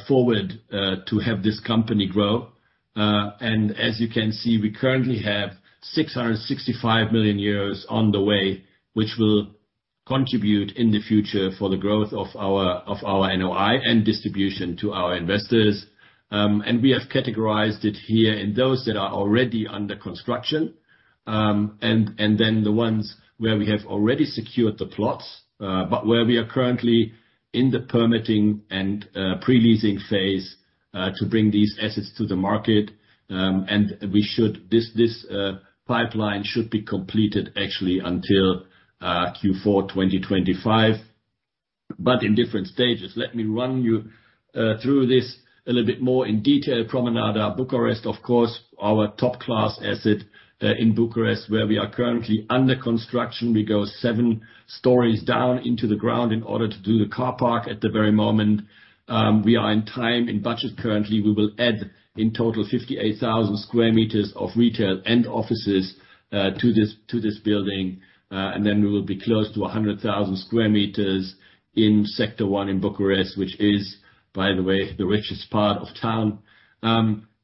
forward to have this company grow. As you can see, we currently have 665 million euros on the way, which will contribute in the future for the growth of our NOI and distribution to our investors. We have categorized it here in those that are already under construction, and then the ones where we have already secured the plots, but where we are currently in the permitting and pre-leasing phase to bring these assets to the market. This pipeline should be completed actually until Q4 2025. In different stages. Let me run you through this a little bit more in detail. Promenada Bucharest, of course, our top-class asset in Bucharest, where we are currently under construction. We go seven stories down into the ground in order to do the car park. At the very moment, we are on time, on budget currently. We will add in total 58,000 sq m of retail and offices to this building. We will be close to 100,000 sq m in Sector 1 in Bucharest, which is, by the way, the richest part of town.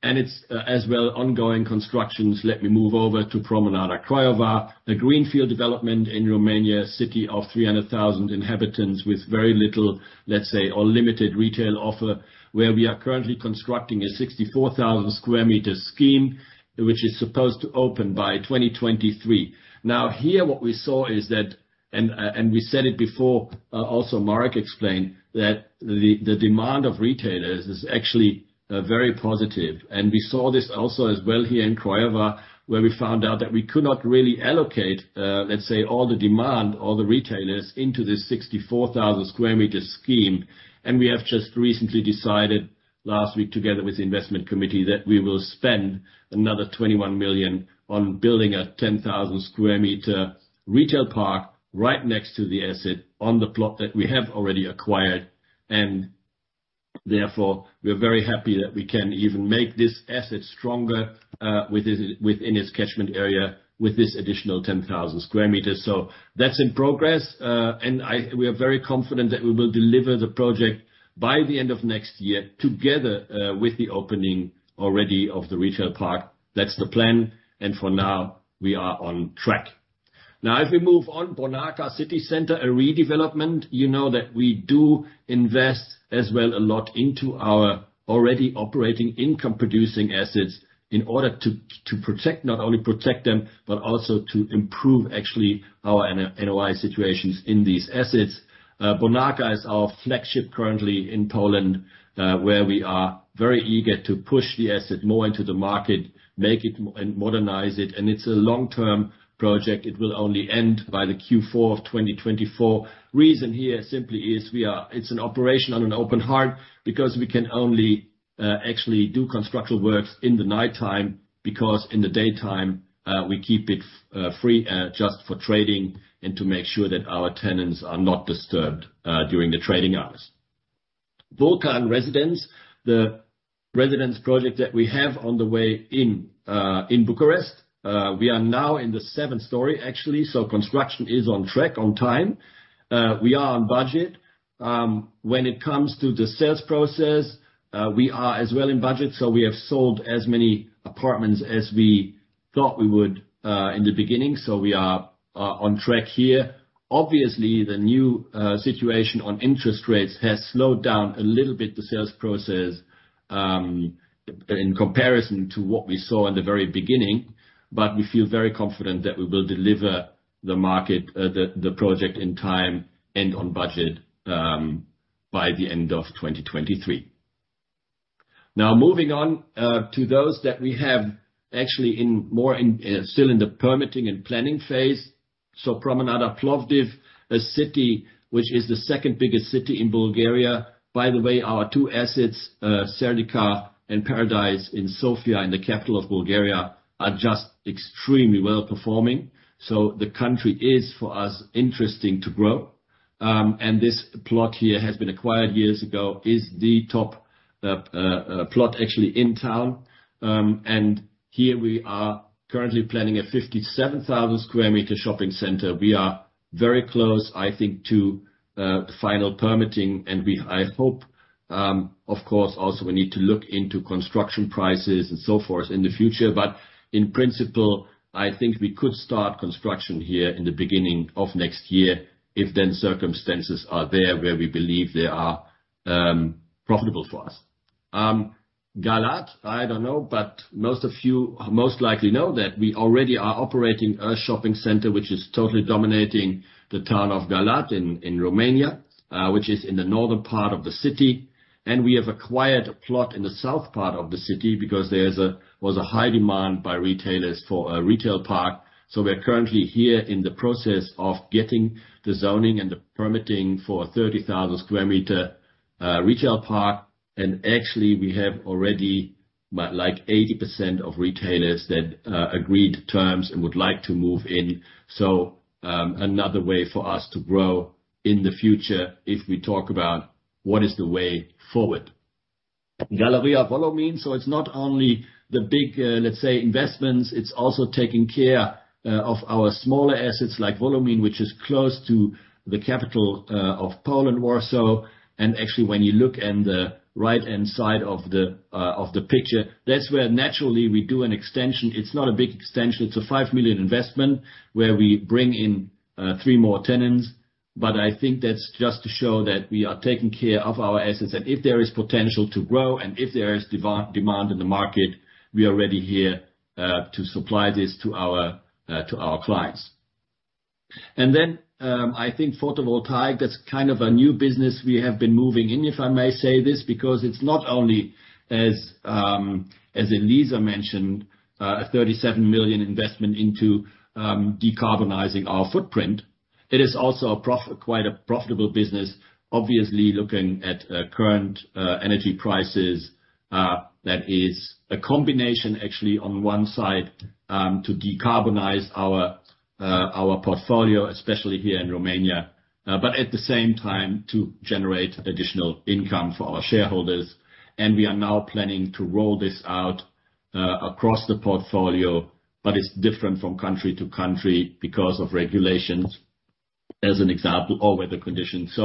It's as well ongoing constructions. Let me move over to Promenada Craiova, a greenfield development in Romania, a city of 300,000 inhabitants with very little, let's say, or limited retail offer, where we are currently constructing a 64,000 sq m scheme, which is supposed to open by 2023. Now here, what we saw is that, and we said it before, also Marek explained, that the demand of retailers is actually very positive. We saw this also as well here in Craiova, where we found out that we could not really allocate, let's say, all the demand, all the retailers into this 64,000 sq m scheme. We have just recently decided last week together with the investment committee that we will spend another 21 million on building a 10,000 sq m retail park right next to the asset on the plot that we have already acquired. Therefore, we are very happy that we can even make this asset stronger, within its catchment area with this additional 10,000 sq m. That's in progress. We are very confident that we will deliver the project by the end of next year together with the opening already of the retail park. That's the plan, and for now, we are on track. Now if we move on, Bonarka City Center, a redevelopment. You know that we do invest as well a lot into our already operating income-producing assets in order to protect, not only protect them, but also to improve actually our NOI situations in these assets. Bonarka is our flagship currently in Poland, where we are very eager to push the asset more into the market, make it and modernize it. It's a long-term project. It will only end by the Q4 of 2024. Reason here simply is it's an operation on an open heart because we can only actually do construction works in the nighttime because in the daytime we keep it free just for trading and to make sure that our tenants are not disturbed during the trading hours. Vulcan Residence, the residence project that we have on the way in Bucharest, we are now in the seventh story, actually. Construction is on track, on time. We are on budget. When it comes to the sales process, we are as well in budget, so we have sold as many apartments as we thought we would in the beginning. We are on track here. Obviously, the new situation on interest rates has slowed down a little bit the sales process in comparison to what we saw in the very beginning, but we feel very confident that we will deliver the market the project in time and on budget by the end of 2023. Now moving on to those that we have actually still in the permitting and planning phase. Promenada Plovdiv, a city which is the second biggest city in Bulgaria. By the way, our two assets, Serdica and Paradise in Sofia, in the capital of Bulgaria, are just extremely well-performing. The country is, for us, interesting to grow. This plot here has been acquired years ago, is the top plot actually in town. Here we are currently planning a 57,000 sq m shopping center. We are very close, I think, to final permitting, and we, I hope, of course, also we need to look into construction prices and so forth in the future. In principle, I think we could start construction here in the beginning of next year, if then circumstances are there where we believe they are profitable for us. Galați, I don't know, but most of you most likely know that we already are operating a shopping center which is totally dominating the town of Galați in Romania, which is in the northern part of the city. We have acquired a plot in the south part of the city because there was a high demand by retailers for a retail park. We are currently in the process of getting the zoning and the permitting for a 30,000 sq m retail park. Actually, we have already like 80% of retailers that agreed terms and would like to move in. Another way for us to grow in the future if we talk about what is the way forward. Galeria Wólomin. It's not only the big, let's say, investments, it's also taking care of our smaller assets like Wołomin, which is close to the capital of Poland, Warsaw. Actually, when you look in the right-hand side of the picture, that's where naturally we do an extension. It's not a big extension. It's a 5 million investment where we bring in three more tenants. I think that's just to show that we are taking care of our assets. If there is potential to grow and if there is demand in the market, we are ready here to supply this to our clients. I think photovoltaic, that's kind of a new business we have been moving in, if I may say this. Because it's not only, as Eliza mentioned, a 37 million investment into decarbonizing our footprint. It is also quite a profitable business, obviously, looking at current energy prices. That is a combination actually on one side to decarbonize our portfolio, especially here in Romania. At the same time to generate additional income for our shareholders. We are now planning to roll this out across the portfolio. It's different from country to country because of regulations as an example, or weather conditions.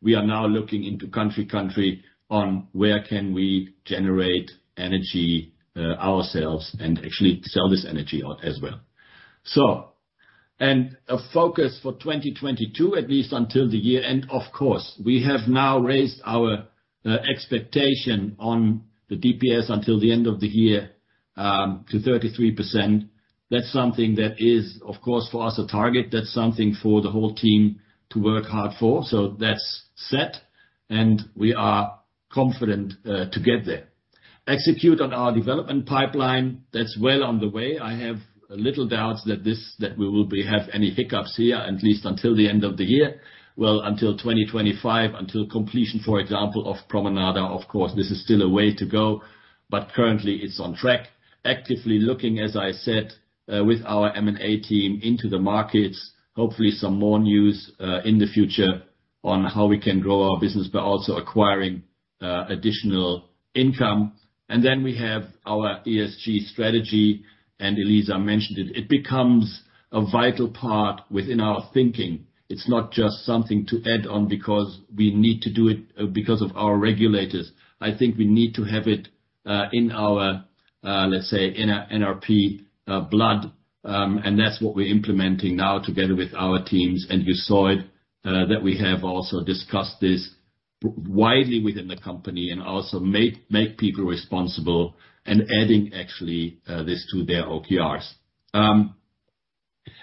We are now looking into country by country on where can we generate energy ourselves and actually sell this energy out as well. A focus for 2022, at least until the year end, of course. We have now raised our expectation on the DPS until the end of the year to 33%. That's something that is, of course, for us, a target. That's something for the whole team to work hard for. That's set, and we are confident to get there. Execute on our development pipeline. That's well on the way. I have little doubts that we will have any hiccups here, at least until the end of the year. Well, until 2025, until completion, for example, of Promenada, of course, this is still a way to go, but currently it's on track. Actively looking, as I said, with our M&A team into the markets. Hopefully some more news in the future on how we can grow our business by also acquiring additional income. We have our ESG strategy, and Eliza mentioned it. It becomes a vital part within our thinking. It's not just something to add on because we need to do it because of our regulators. I think we need to have it in our, let's say in our NEPI blood. That's what we're implementing now together with our teams. You saw it that we have also discussed this widely within the company and also make people responsible and adding actually this to their OKRs.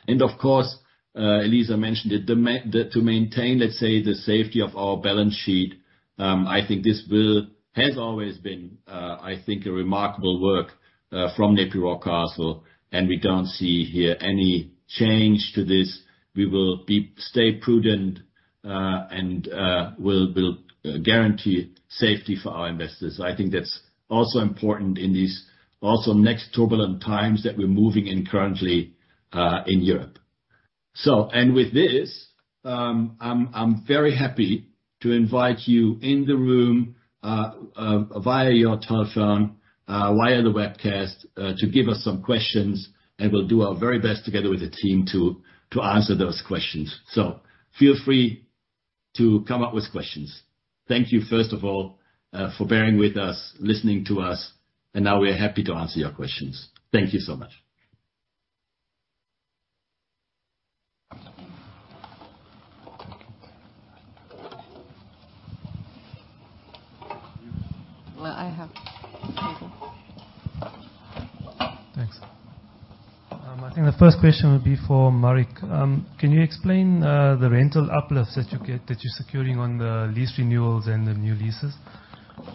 Of course, Eliza mentioned it, to maintain, let's say, the safety of our balance sheet. I think this has always been, I think, a remarkable work from NEPI Rockcastle, and we don't see here any change to this. Stay prudent and we'll build guarantee safety for our investors. I think that's also important in these also next turbulent times that we're moving in currently in Europe. With this, I'm very happy to invite you in the room via your telephone via the webcast to give us some questions, and we'll do our very best together with the very team to answer those questions. Feel free to come up with questions. Thank you first of all for bearing with us, listening to us, and now we are happy to answer your questions. Thank you so much. Well, I have table. Thanks. I think the first question would be for Marek. Can you explain the rental uplifts that you get, that you're securing on the lease renewals and the new leases?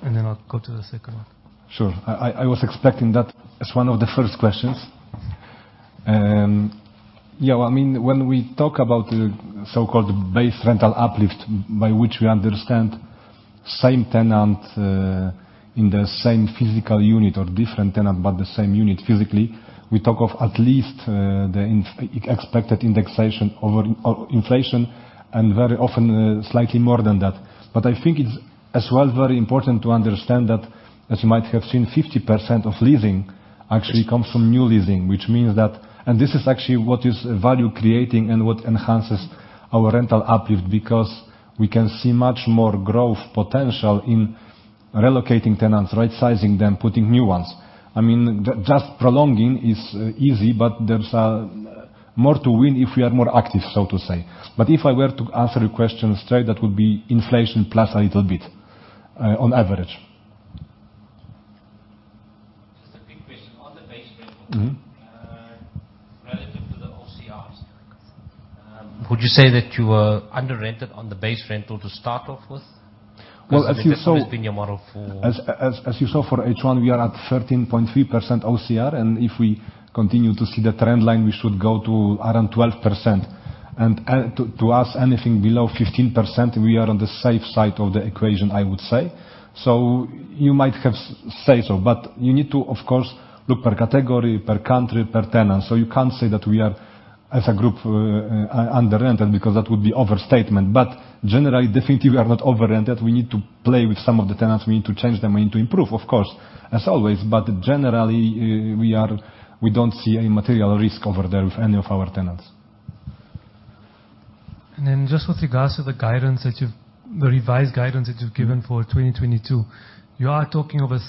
I'll go to the second one. Sure. I was expecting that as one of the first questions. Yeah, I mean, when we talk about the so-called base rental uplift, by which we understand same tenant in the same physical unit or different tenant, but the same unit physically, we talk of at least the expected indexation over inflation, and very often slightly more than that. I think it's as well very important to understand that, as you might have seen, 50% of leasing actually comes from new leasing, which means that this is actually what is value creating and what enhances our rental uplift, because we can see much more growth potential in relocating tenants, right sizing them, putting new ones. I mean, just prolonging is easy, but there's more to win if we are more active, so to say. If I were to answer your question straight, that would be inflation plus a little bit, on average. Just a quick question. On the base rental. Mm-hmm. Relative to the OCRs, would you say that you are under-rented on the base rental to start off with? Well, as you saw. Has this always been your model? As you saw for H1, we are at 13.3%% OCR, and if we continue to see the trend line, we should go to around 12%. To us, anything below 15%, we are on the safe side of the equation, I would say. You might say so, but you need to of course look per category, per country, per tenant. You can't say that we are, as a group, under rented because that would be overstatement. Generally, definitely we are not over rented. We need to play with some of the tenants. We need to change them. We need to improve, of course, as always. Generally, we don't see any material risk over there with any of our tenants. Just with regards to the revised guidance that you've given for 2022, you are talking of a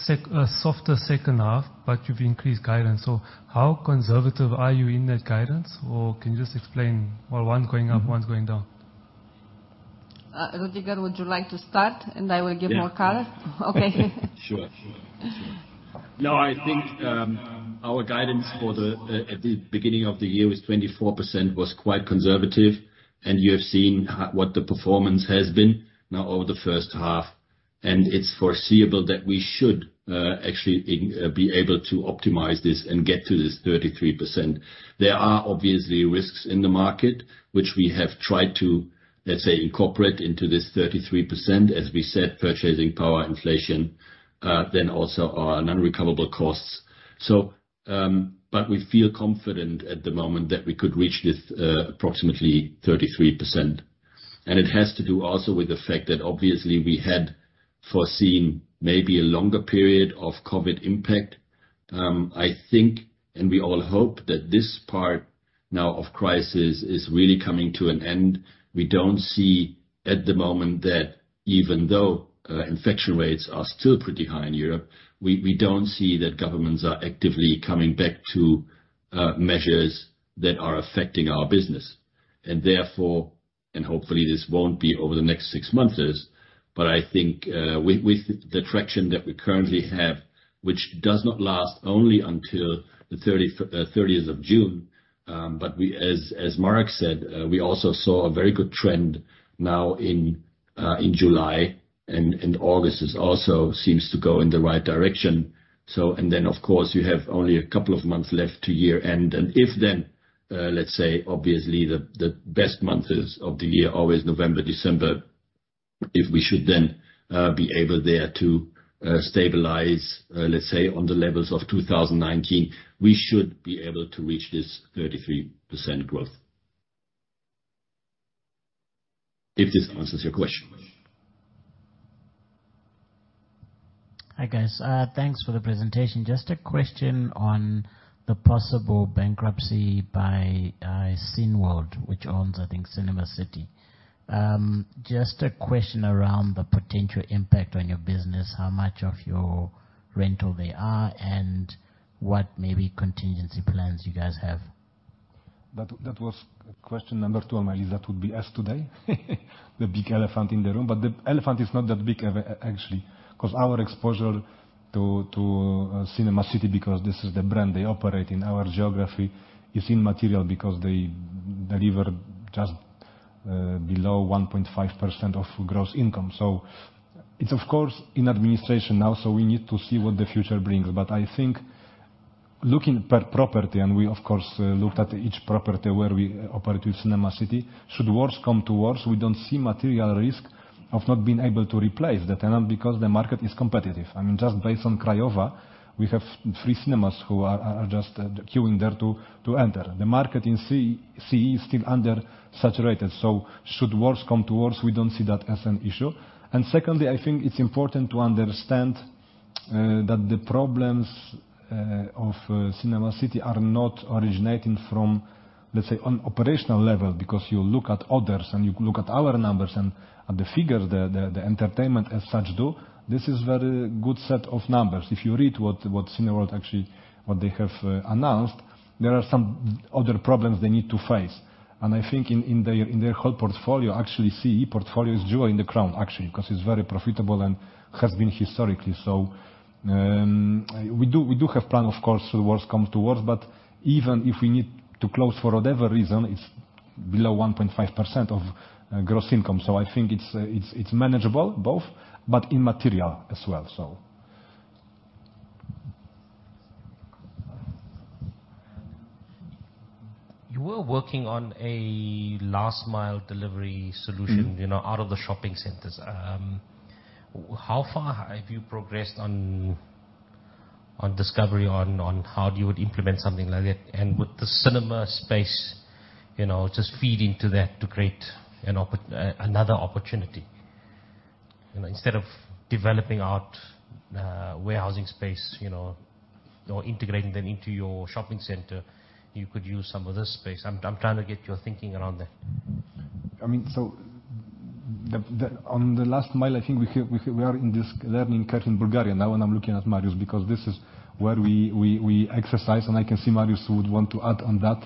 softer second half, but you've increased guidance. How conservative are you in that guidance? Or can you just explain, well, one's going up, one's going down. Rüdiger, would you like to start and I will give more color? Yeah. Okay. Sure. No, I think our guidance for the at the beginning of the year was 24% was quite conservative. You have seen what the performance has been now over the first half. It's foreseeable that we should actually be able to optimize this and get to this 33%. There are obviously risks in the market which we have tried to, let's say, incorporate into this 33%, as we said, purchasing power inflation, then also our non-recoverable costs. But we feel confident at the moment that we could reach this approximately 33%. It has to do also with the fact that obviously we had foreseen maybe a longer period of COVID impact. I think we all hope that this part now of crisis is really coming to an end. We don't see at the moment that even though infection rates are still pretty high in Europe, we don't see that governments are actively coming back to measures that are affecting our business. Therefore, hopefully this won't be over the next six months, but I think with the traction that we currently have, which does not last only until the thirtieth of June. But we as Marek said, we also saw a very good trend now in July and August also seems to go in the right direction. And then of course, you have only a couple of months left to year-end. If then, let's say obviously the best months of the year, always November, December. If we should then be able there to stabilize, let's say on the levels of 2019, we should be able to reach this 33% growth. If this answers your question. Hi guys. Thanks for the presentation. Just a question on the possible bankruptcy by Cineworld, which owns, I think, Cinema City. Just a question around the potential impact on your business, how much of your rental they are, and what maybe contingency plans you guys have? That was question number two on my list that would be asked today. The big elephant in the room. The elephant is not that big actually, 'cause our exposure to Cinema City, because this is the brand they operate in our geography, is immaterial because they deliver just below 1.5% of gross income. It's of course in administration now, so we need to see what the future brings. I think looking per property, and we of course looked at each property where we operate with Cinema City. Should worse come to worse, we don't see material risk of not being able to replace the tenant because the market is competitive. I mean, just based on Craiova, we have three cinemas who are just queuing there to enter. The market in CEE is still undersaturated. Should worse come to worse, we don't see that as an issue. Secondly, I think it's important to understand that the problems of Cinema City are not originating from, let's say, on operational level. You look at others and you look at our numbers and at the figures the entertainment as such do, this is very good set of numbers. If you read what Cineworld actually what they have announced, there are some other problems they need to face. I think in their whole portfolio, actually CEE portfolio is a jewel in the crown, actually, 'cause it's very profitable and has been historically. We do have plan, of course, should worse come to worse, but even if we need to close for whatever reason, it's below 1.5% of gross income. I think it's manageable both, but immaterial as well. You were working on a last mile delivery solution. Mm-hmm. You know, out of the shopping centers. How far have you progressed on discovery on how you would implement something like that? With the cinema space, you know, just feed into that to create another opportunity. You know, instead of developing out, warehousing space, you know, or integrating them into your shopping center, you could use some of this space. I'm trying to get your thinking around that. I mean, on the last mile, I think we are in this learning curve in Bulgaria now, and I'm looking at Marius, because this is where we exercise, and I can see Marius would want to add on that.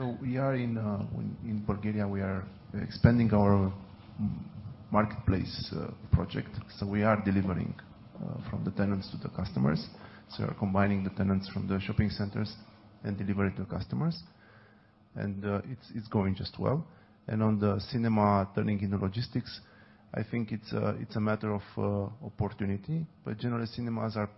We are in Bulgaria, we are expanding our marketplace project. We are delivering from the tenants to the customers. Combining the tenants from the shopping centers and deliver it to customers. And it's going just well. And on the cinema turning into logistics, I think it's a matter of opportunity. Generally, cinemas are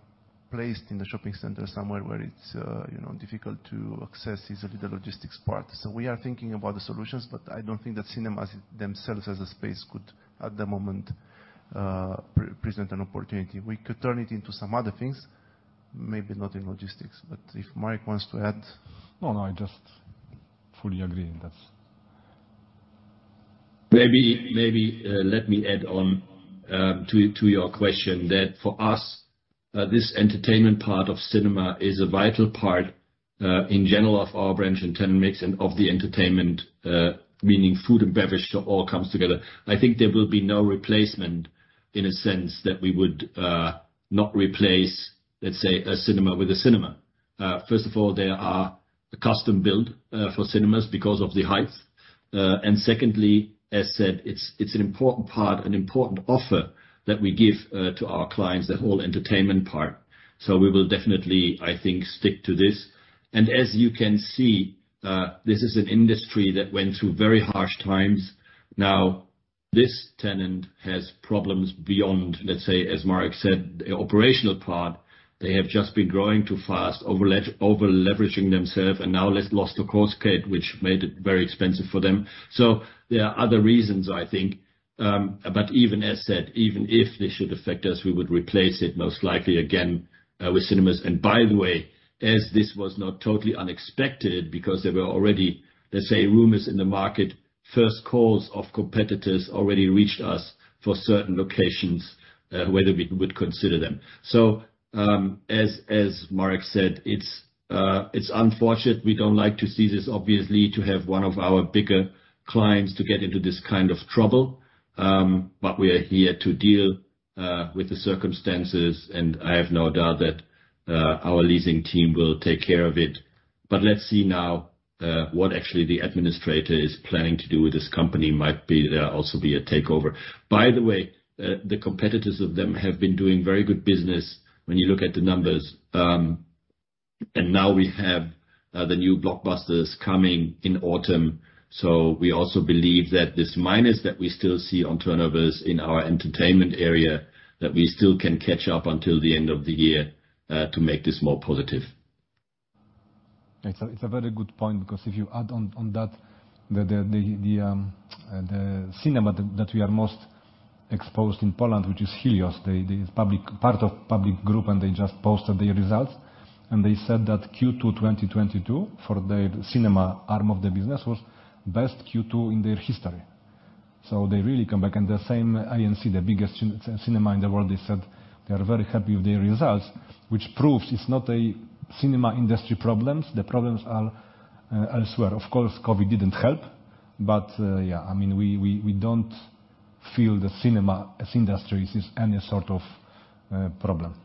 placed in the shopping center somewhere where it's, you know, difficult to access easily the logistics part. We are thinking about the solutions, but I don't think that cinemas themselves as a space could, at the moment, present an opportunity. We could turn it into some other things, maybe not in logistics. If Marek wants to add. No, no, I just fully agree in this. Maybe, let me add on to your question. That for us, this entertainment part of cinema is a vital part in general of our brand and tenant mix and of the entertainment meaning food and beverage that all comes together. I think there will be no replacement in a sense that we would not replace, let's say, a cinema with a cinema. First of all, they are custom-built for cinemas because of the height. And secondly, as said, it's an important part, an important offer that we give to our clients, the whole entertainment part. So we will definitely, I think, stick to this. As you can see, this is an industry that went through very harsh times. Now, this tenant has problems beyond, let's say, as Marek Noetzel said, the operational part. They have just been growing too fast, overleveraging themselves, and now has lost the investment grade, which made it very expensive for them. There are other reasons, I think, but even as that, even if they should affect us, we would replace it most likely again, with cinemas. By the way, as this was not totally unexpected because there were already, let's say, rumors in the market, first calls of competitors already reached us for certain locations, whether we would consider them. As Marek said, it's unfortunate. We don't like to see this, obviously, to have one of our bigger clients to get into this kind of trouble. We are here to deal with the circumstances, and I have no doubt that our leasing team will take care of it. Let's see now, what actually the administrator is planning to do with this company. Might be there also be a takeover. By the way, the competitors of them have been doing very good business when you look at the numbers. Now we have the new blockbusters coming in autumn. We also believe that this minus that we still see on turnovers in our entertainment area, that we still can catch up until the end of the year, to make this more positive. It's a very good point because if you add on that, the cinema that we are most exposed in Poland, which is Helios. They are part of a public group, and they just posted their results, and they said that Q2 2022 for the cinema arm of the business was best Q2 in their history. They really come back. The same AMC, the biggest cinema in the world, they said they are very happy with their results, which proves it's not a cinema industry problem. The problems are elsewhere. Of course, COVID didn't help. I mean, we don't feel the cinema industry is any sort of problem.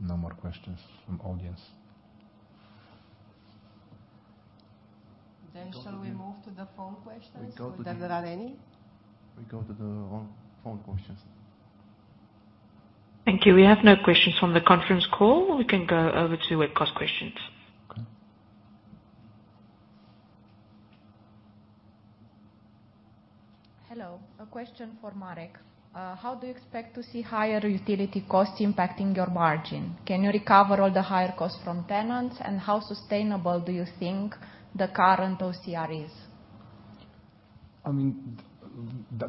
No more questions from audience. Shall we move to the phone questions? We go to the- There's not any. We go to the phone questions. Thank you. We have no questions from the conference call. We can go over to webcast questions. Okay. Hello. A question for Marek Noetzel. How do you expect to see higher utility costs impacting your margin? Can you recover all the higher costs from tenants? How sustainable do you think the current OCR is? I mean,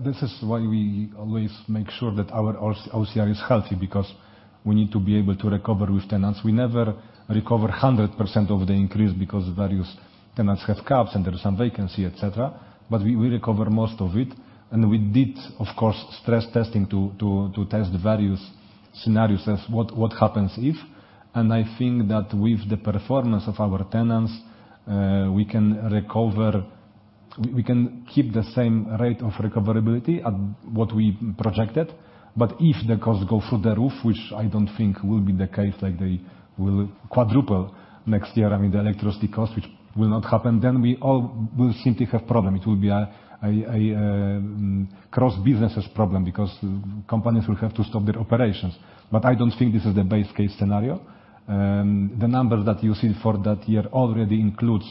this is why we always make sure that our OCR is healthy, because we need to be able to recover with tenants. We never recover 100% of the increase because various tenants have caps, and there is some vacancy, et cetera. We recover most of it. We did, of course, stress testing to test various scenarios as what happens if. I think that with the performance of our tenants, we can recover. We can keep the same rate of recoverability at what we projected. If the costs go through the roof, which I don't think will be the case, like they will quadruple next year, I mean, the electricity cost, which will not happen, then we all will simply have problem. It will be a cross-businesses problem because companies will have to stop their operations. I don't think this is the base case scenario. The numbers that you see for that year already includes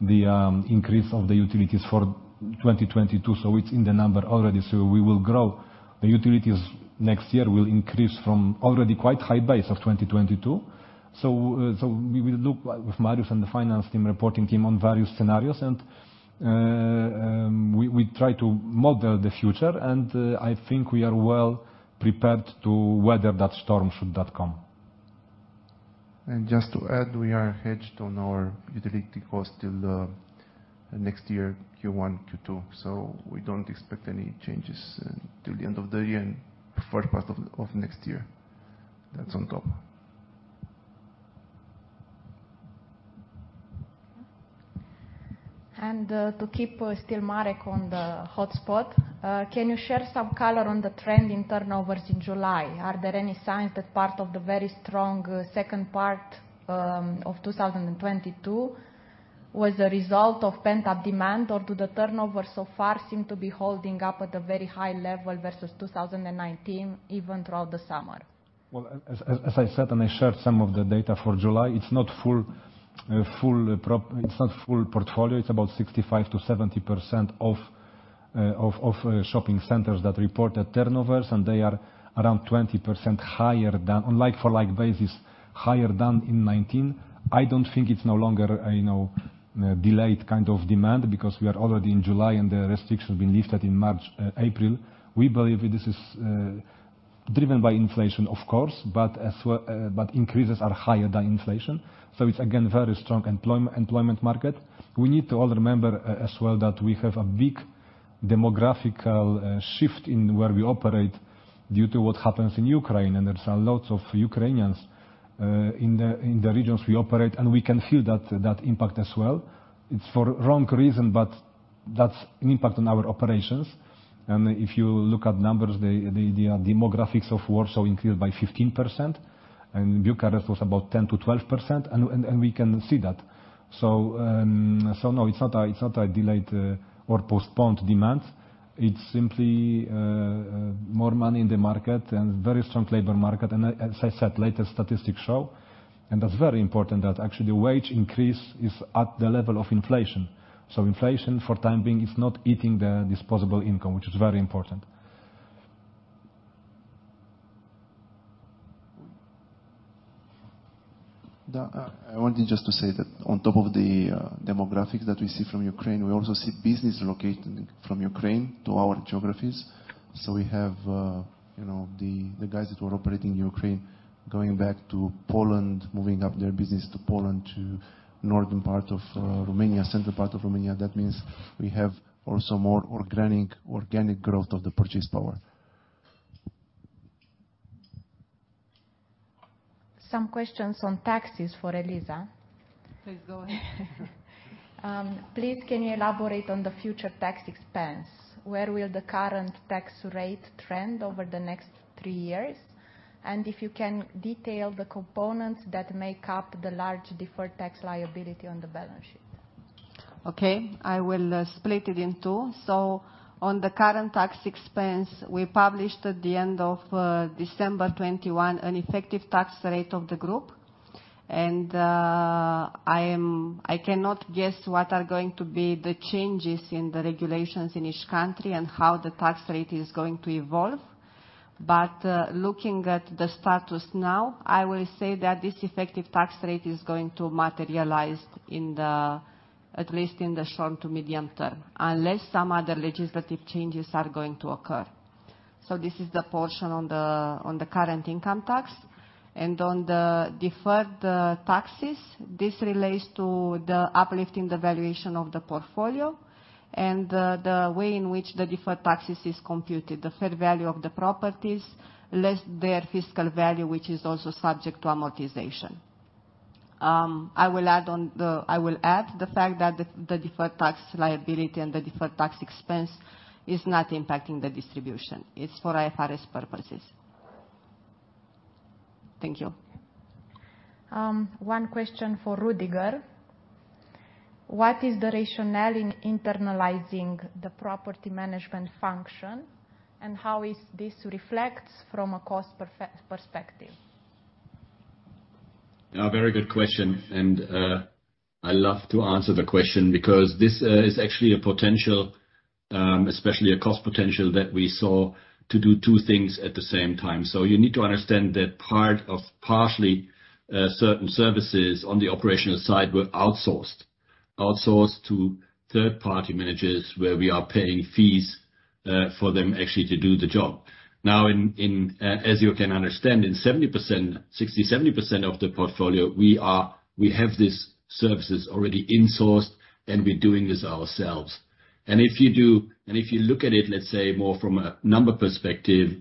the increase of the utilities for 2022, so it's in the number already. We will grow. The utilities next year will increase from already quite high base of 2022. We will look with Marius and the finance team, reporting team on various scenarios, and we try to model the future. I think we are well prepared to weather that storm should that come. Just to add, we are hedged on our utility cost till next year, Q1, Q2, so we don't expect any changes till the end of the year and first part of next year. That's on top. To keep still Marek on the hotspot, can you share some color on the trend in turnovers in July? Are there any signs that part of the very strong second part of 2022 was a result of pent-up demand? Or do the turnover so far seem to be holding up at a very high level versus 2019, even throughout the summer? Well, as I said, and I shared some of the data for July, it's not full portfolio. It's about 65%-70% of shopping centers that reported turnovers, and they are around 20% higher than, on like-for-like basis, higher than in 2019. I don't think it's no longer a, you know, delayed kind of demand because we are already in July and the restrictions been lifted in March, April. We believe this is driven by inflation, of course, but as well, but increases are higher than inflation. It's again, very strong employment market. We need to all remember as well that we have a big demographic shift in where we operate due to what happens in Ukraine, and there's a lot of Ukrainians in the regions we operate, and we can feel that impact as well. It's for wrong reason, but that's an impact on our operations. If you look at numbers, the demographics of Warsaw increased by 15%, and Bucharest was about 10%-12%, and we can see that. No, it's not a delayed or postponed demand. It's simply more money in the market and very strong labor market. As I said, latest statistics show, and that's very important, that actually wage increase is at the level of inflation. Inflation, for time being, is not eating the disposable income, which is very important. Yeah, I wanted just to say that on top of the demographics that we see from Ukraine, we also see business relocating from Ukraine to our geographies. We have, you know, the guys that were operating in Ukraine going back to Poland, moving up their business to Poland, to northern part of Romania, central part of Romania. That means we have also more organic growth of the purchasing power. Some questions on taxes for Eliza. Please go ahead. Please can you elaborate on the future tax expense? Where will the current tax rate trend over the next three years? If you can detail the components that make up the large deferred tax liability on the balance sheet. Okay. I will split it in two. On the current tax expense, we published at the end of December 2021 an effective tax rate of the group. I cannot guess what are going to be the changes in the regulations in each country and how the tax rate is going to evolve. Looking at the status now, I will say that this effective tax rate is going to materialize in the, at least in the short to medium term, unless some other legislative changes are going to occur. This is the portion on the, on the current income tax. On the deferred taxes, this relates to the uplifting the valuation of the portfolio and the way in which the deferred taxes is computed. The fair value of the properties, less their fiscal value, which is also subject to amortization. I will add the fact that the deferred tax liability and the deferred tax expense is not impacting the distribution. It's for IFRS purposes. Thank you. One question for Rüdiger. What is the rationale in internalizing the property management function, and how is this reflected from a cost perspective? A very good question. I love to answer the question because this is actually a potential, especially a cost potential that we saw to do two things at the same time. You need to understand that part of, partially, certain services on the operational side were outsourced. Outsourced to third-party managers where we are paying fees for them actually to do the job. Now, in as you can understand, in 60%-70% of the portfolio, we have these services already insourced, and we're doing this ourselves. If you look at it, let's say, more from a number perspective,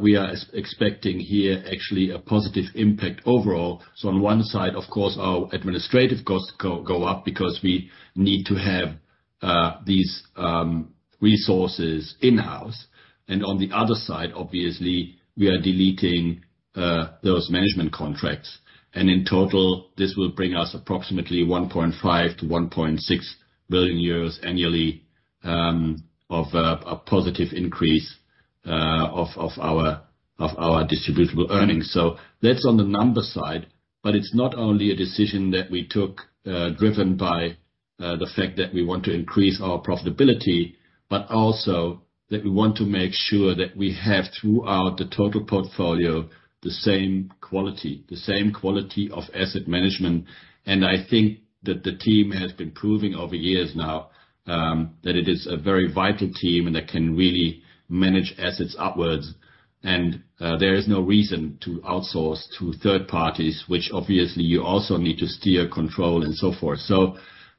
we are expecting here actually a positive impact overall. On one side, of course, our administrative costs go up because we need to have these resources in-house. On the other side, obviously, we are deleting those management contracts. In total, this will bring us approximately 1.5 billion-1.6 billion euros annually of a positive increase of our distributable earnings. That's on the numbers side. It's not only a decision that we took driven by the fact that we want to increase our profitability, but also that we want to make sure that we have throughout the total portfolio the same quality of asset management. I think that the team has been proving over years now that it is a very vital team and that can really manage assets upwards. There is no reason to outsource to third parties, which obviously you also need to steer, control and so forth.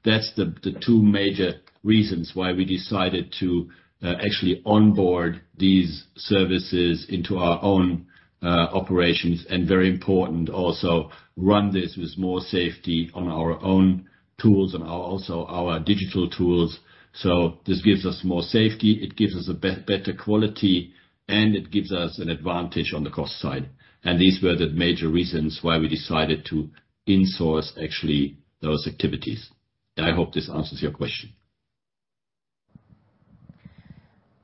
That's the two major reasons why we decided to actually onboard these services into our own operations, and very important also, run this with more safety on our own tools and also our digital tools. This gives us more safety, it gives us a better quality, and it gives us an advantage on the cost side. These were the major reasons why we decided to insource, actually, those activities. I hope this answers your question.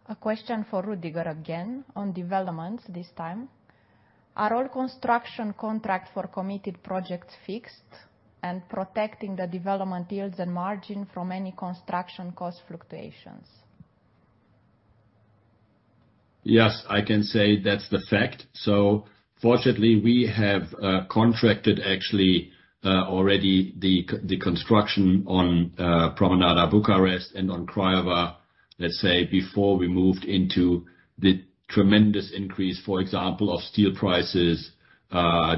A question for Rüdiger again, on developments this time. Are all construction contract for committed projects fixed and protecting the development deals and margin from any construction cost fluctuations? Yes, I can say that's the fact. Fortunately, we have contracted actually already the construction on Promenada Bucharest and on Craiova, let's say, before we moved into the tremendous increase, for example, of steel prices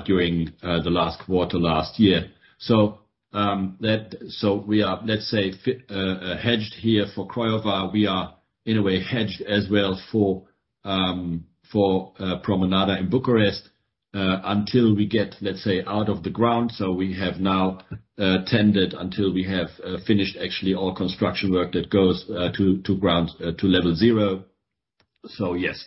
during the last quarter last year. That. We are, let's say, hedged here for Craiova. We are, in a way, hedged as well for Promenada in Bucharest until we get, let's say, out of the ground. We have now tendered until we have finished actually all construction work that goes to ground to level zero. Yes.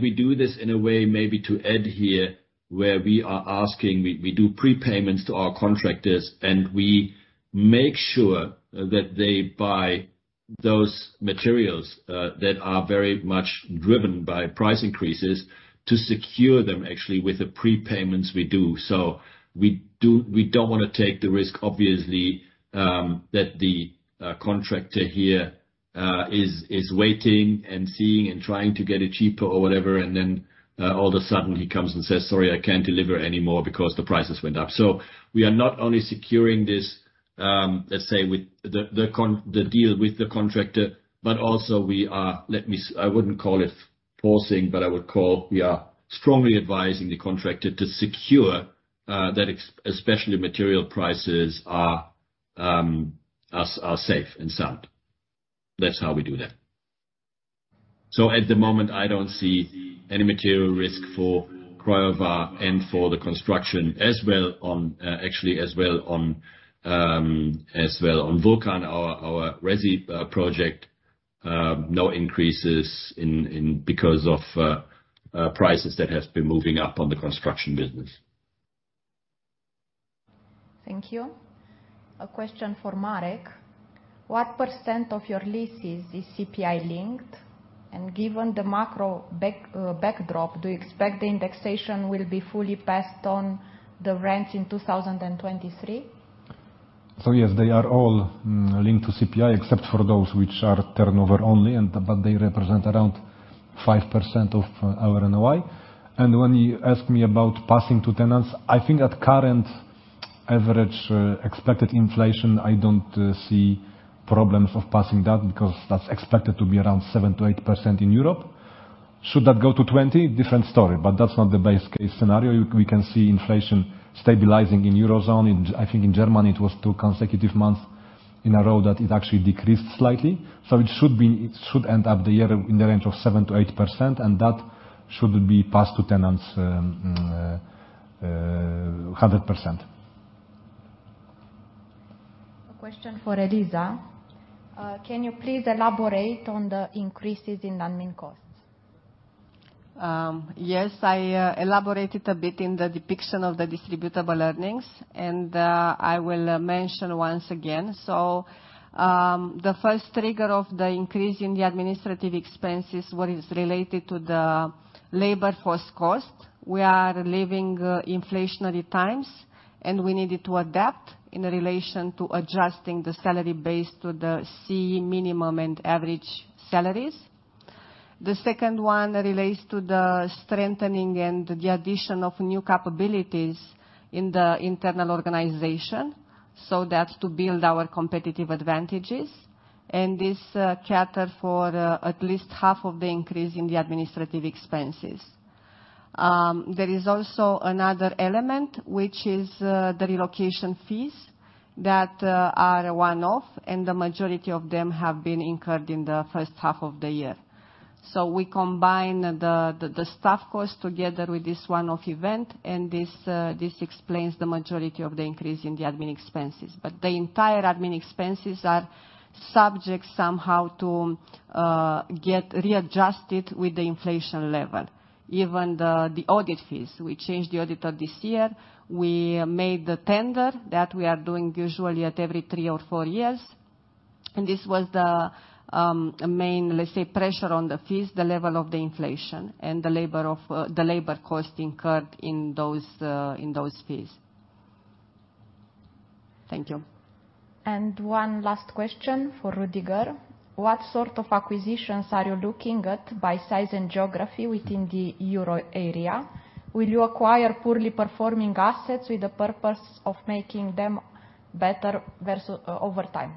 We do this in a way, maybe to add here, where we do prepayments to our contractors, and we make sure that they buy those materials that are very much driven by price increases to secure them actually with the prepayments we do. We don't wanna take the risk, obviously, that the contractor here is waiting and seeing and trying to get it cheaper or whatever, and then all of a sudden he comes and says, "Sorry, I can't deliver any more because the prices went up." We are not only securing this, let's say, with the deal with the contractor, but also we are. I wouldn't call it forcing, but I would call we are strongly advising the contractor to secure that especially material prices are safe and sound. That's how we do that. At the moment, I don't see any material risk for Craiova and for the construction as well on, actually, Vulcan, our resi project. No increases because of prices that have been moving up in the construction business. Thank you. A question for Marek. What percent of your leases is CPI-linked? Given the macro backdrop, do you expect the indexation will be fully passed on the rents in 2023? Yes, they are all linked to CPI, except for those which are turnover only, but they represent around 5% of our NOI. When you ask me about passing to tenants, I think at current average expected inflation, I don't see problems of passing that because that's expected to be around 7%-8% in Europe. Should that go to 20%, different story, but that's not the base case scenario. We can see inflation stabilizing in Eurozone. I think in Germany it was two consecutive months in a row that it actually decreased slightly. It should be, it should end up the year in the range of 7%-8%, and that should be passed to tenants 100%. A question for Eliza. Can you please elaborate on the increases in admin costs? Yes. I elaborated a bit in the depiction of the distributable earnings, and I will mention once again. The first trigger of the increase in the administrative expenses is related to the labor force cost. We are living in inflationary times, and we needed to adapt in relation to adjusting the salary base to the CPI minimum and average salaries. The second one relates to the strengthening and the addition of new capabilities in the internal organization, so that's to build our competitive advantages. This caters for at least half of the increase in the administrative expenses. There is also another element, which is the relocation fees that are one-off, and the majority of them have been incurred in the first half of the year. We combine the staff costs together with this one-off event, and this explains the majority of the increase in the admin expenses. The entire admin expenses are subject somehow to get readjusted with the inflation level. Even the audit fees. We changed the auditor this year. We made the tender that we are doing usually at every three or four years. This was the main, let's say, pressure on the fees, the level of the inflation and the labor cost incurred in those fees. Thank you. One last question for Rüdiger. What sort of acquisitions are you looking at by size and geography within the Euro area? Will you acquire poorly performing assets with the purpose of making them better versus over time?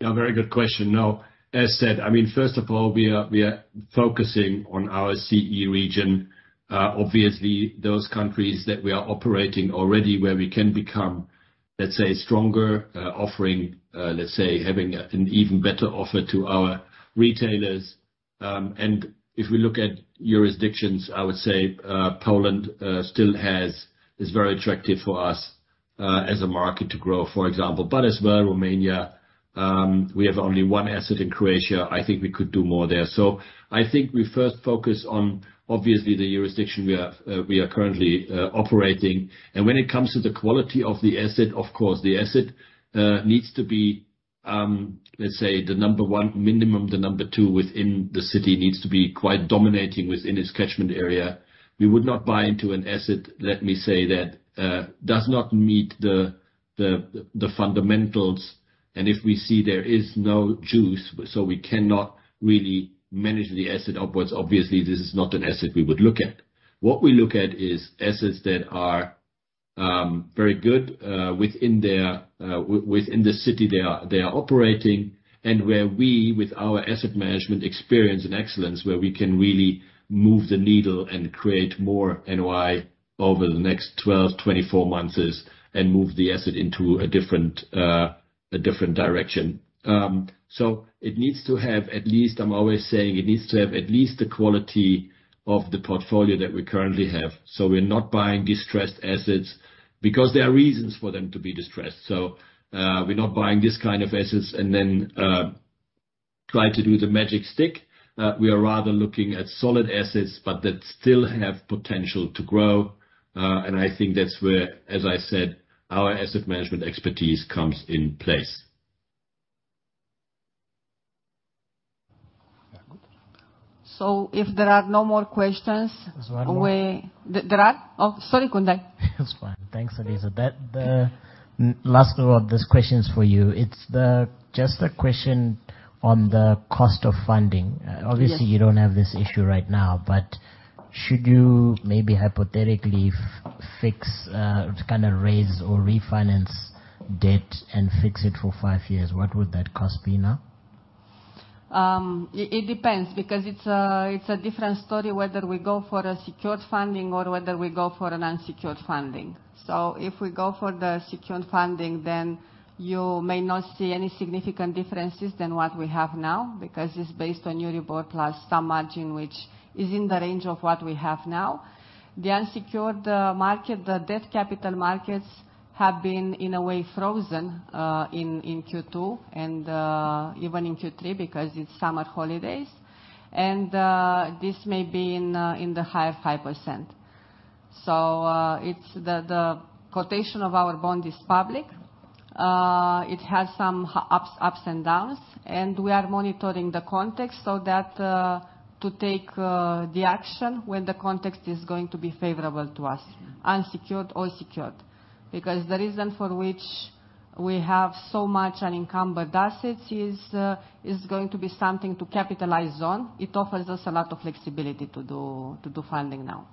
Yeah, very good question. Now, as said, I mean, first of all, we are focusing on our CEE region. Obviously those countries that we are operating already where we can become, let's say, stronger, offering, let's say, having an even better offer to our retailers. If we look at jurisdictions, I would say, Poland still is very attractive for us as a market to grow, for example. As well, Romania, we have only one asset in Croatia, I think we could do more there. I think we first focus on, obviously, the jurisdiction we are currently operating. When it comes to the quality of the asset, of course, the asset needs to be, let's say, the number one minimum, the number two within the city needs to be quite dominating within its catchment area. We would not buy into an asset, let me say, that does not meet the fundamentals. If we see there is no juice, so we cannot really manage the asset upwards, obviously this is not an asset we would look at. What we look at is assets that are very good within the city they are operating, and where we, with our asset management experience and excellence, where we can really move the needle and create more NOI over the next 12 to 24 months and move the asset into a different direction. It needs to have at least, I'm always saying, it needs to have at least the quality of the portfolio that we currently have. We're not buying distressed assets because there are reasons for them to be distressed. We're not buying this kind of assets and then try to do the magic wand. We are rather looking at solid assets, but that still have potential to grow. I think that's where, as I said, our asset management expertise comes into play. If there are no more questions? There's one more. Oh, sorry, Kondai. It's fine. Thanks, Eliza. That's the last of these questions for you. It's just a question on the cost of funding. Yes. Obviously, you don't have this issue right now, but should you maybe hypothetically fix, kinda raise or refinance debt and fix it for five years, what would that cost be now? It depends because it's a different story whether we go for a secured funding or whether we go for an unsecured funding. If we go for the secured funding, then you may not see any significant differences than what we have now because it's based on Euribor plus some margin, which is in the range of what we have now. The unsecured market, the debt capital markets have been, in a way, frozen in Q2 and even in Q3 because it's summer holidays. This may be in the higher 5%. It's the quotation of our bond is public. It has some ups and downs, and we are monitoring the context so that to take the action when the context is going to be favorable to us, unsecured or secured. Because the reason for which we have so much unencumbered assets is going to be something to capitalize on. It offers us a lot of flexibility to do funding now.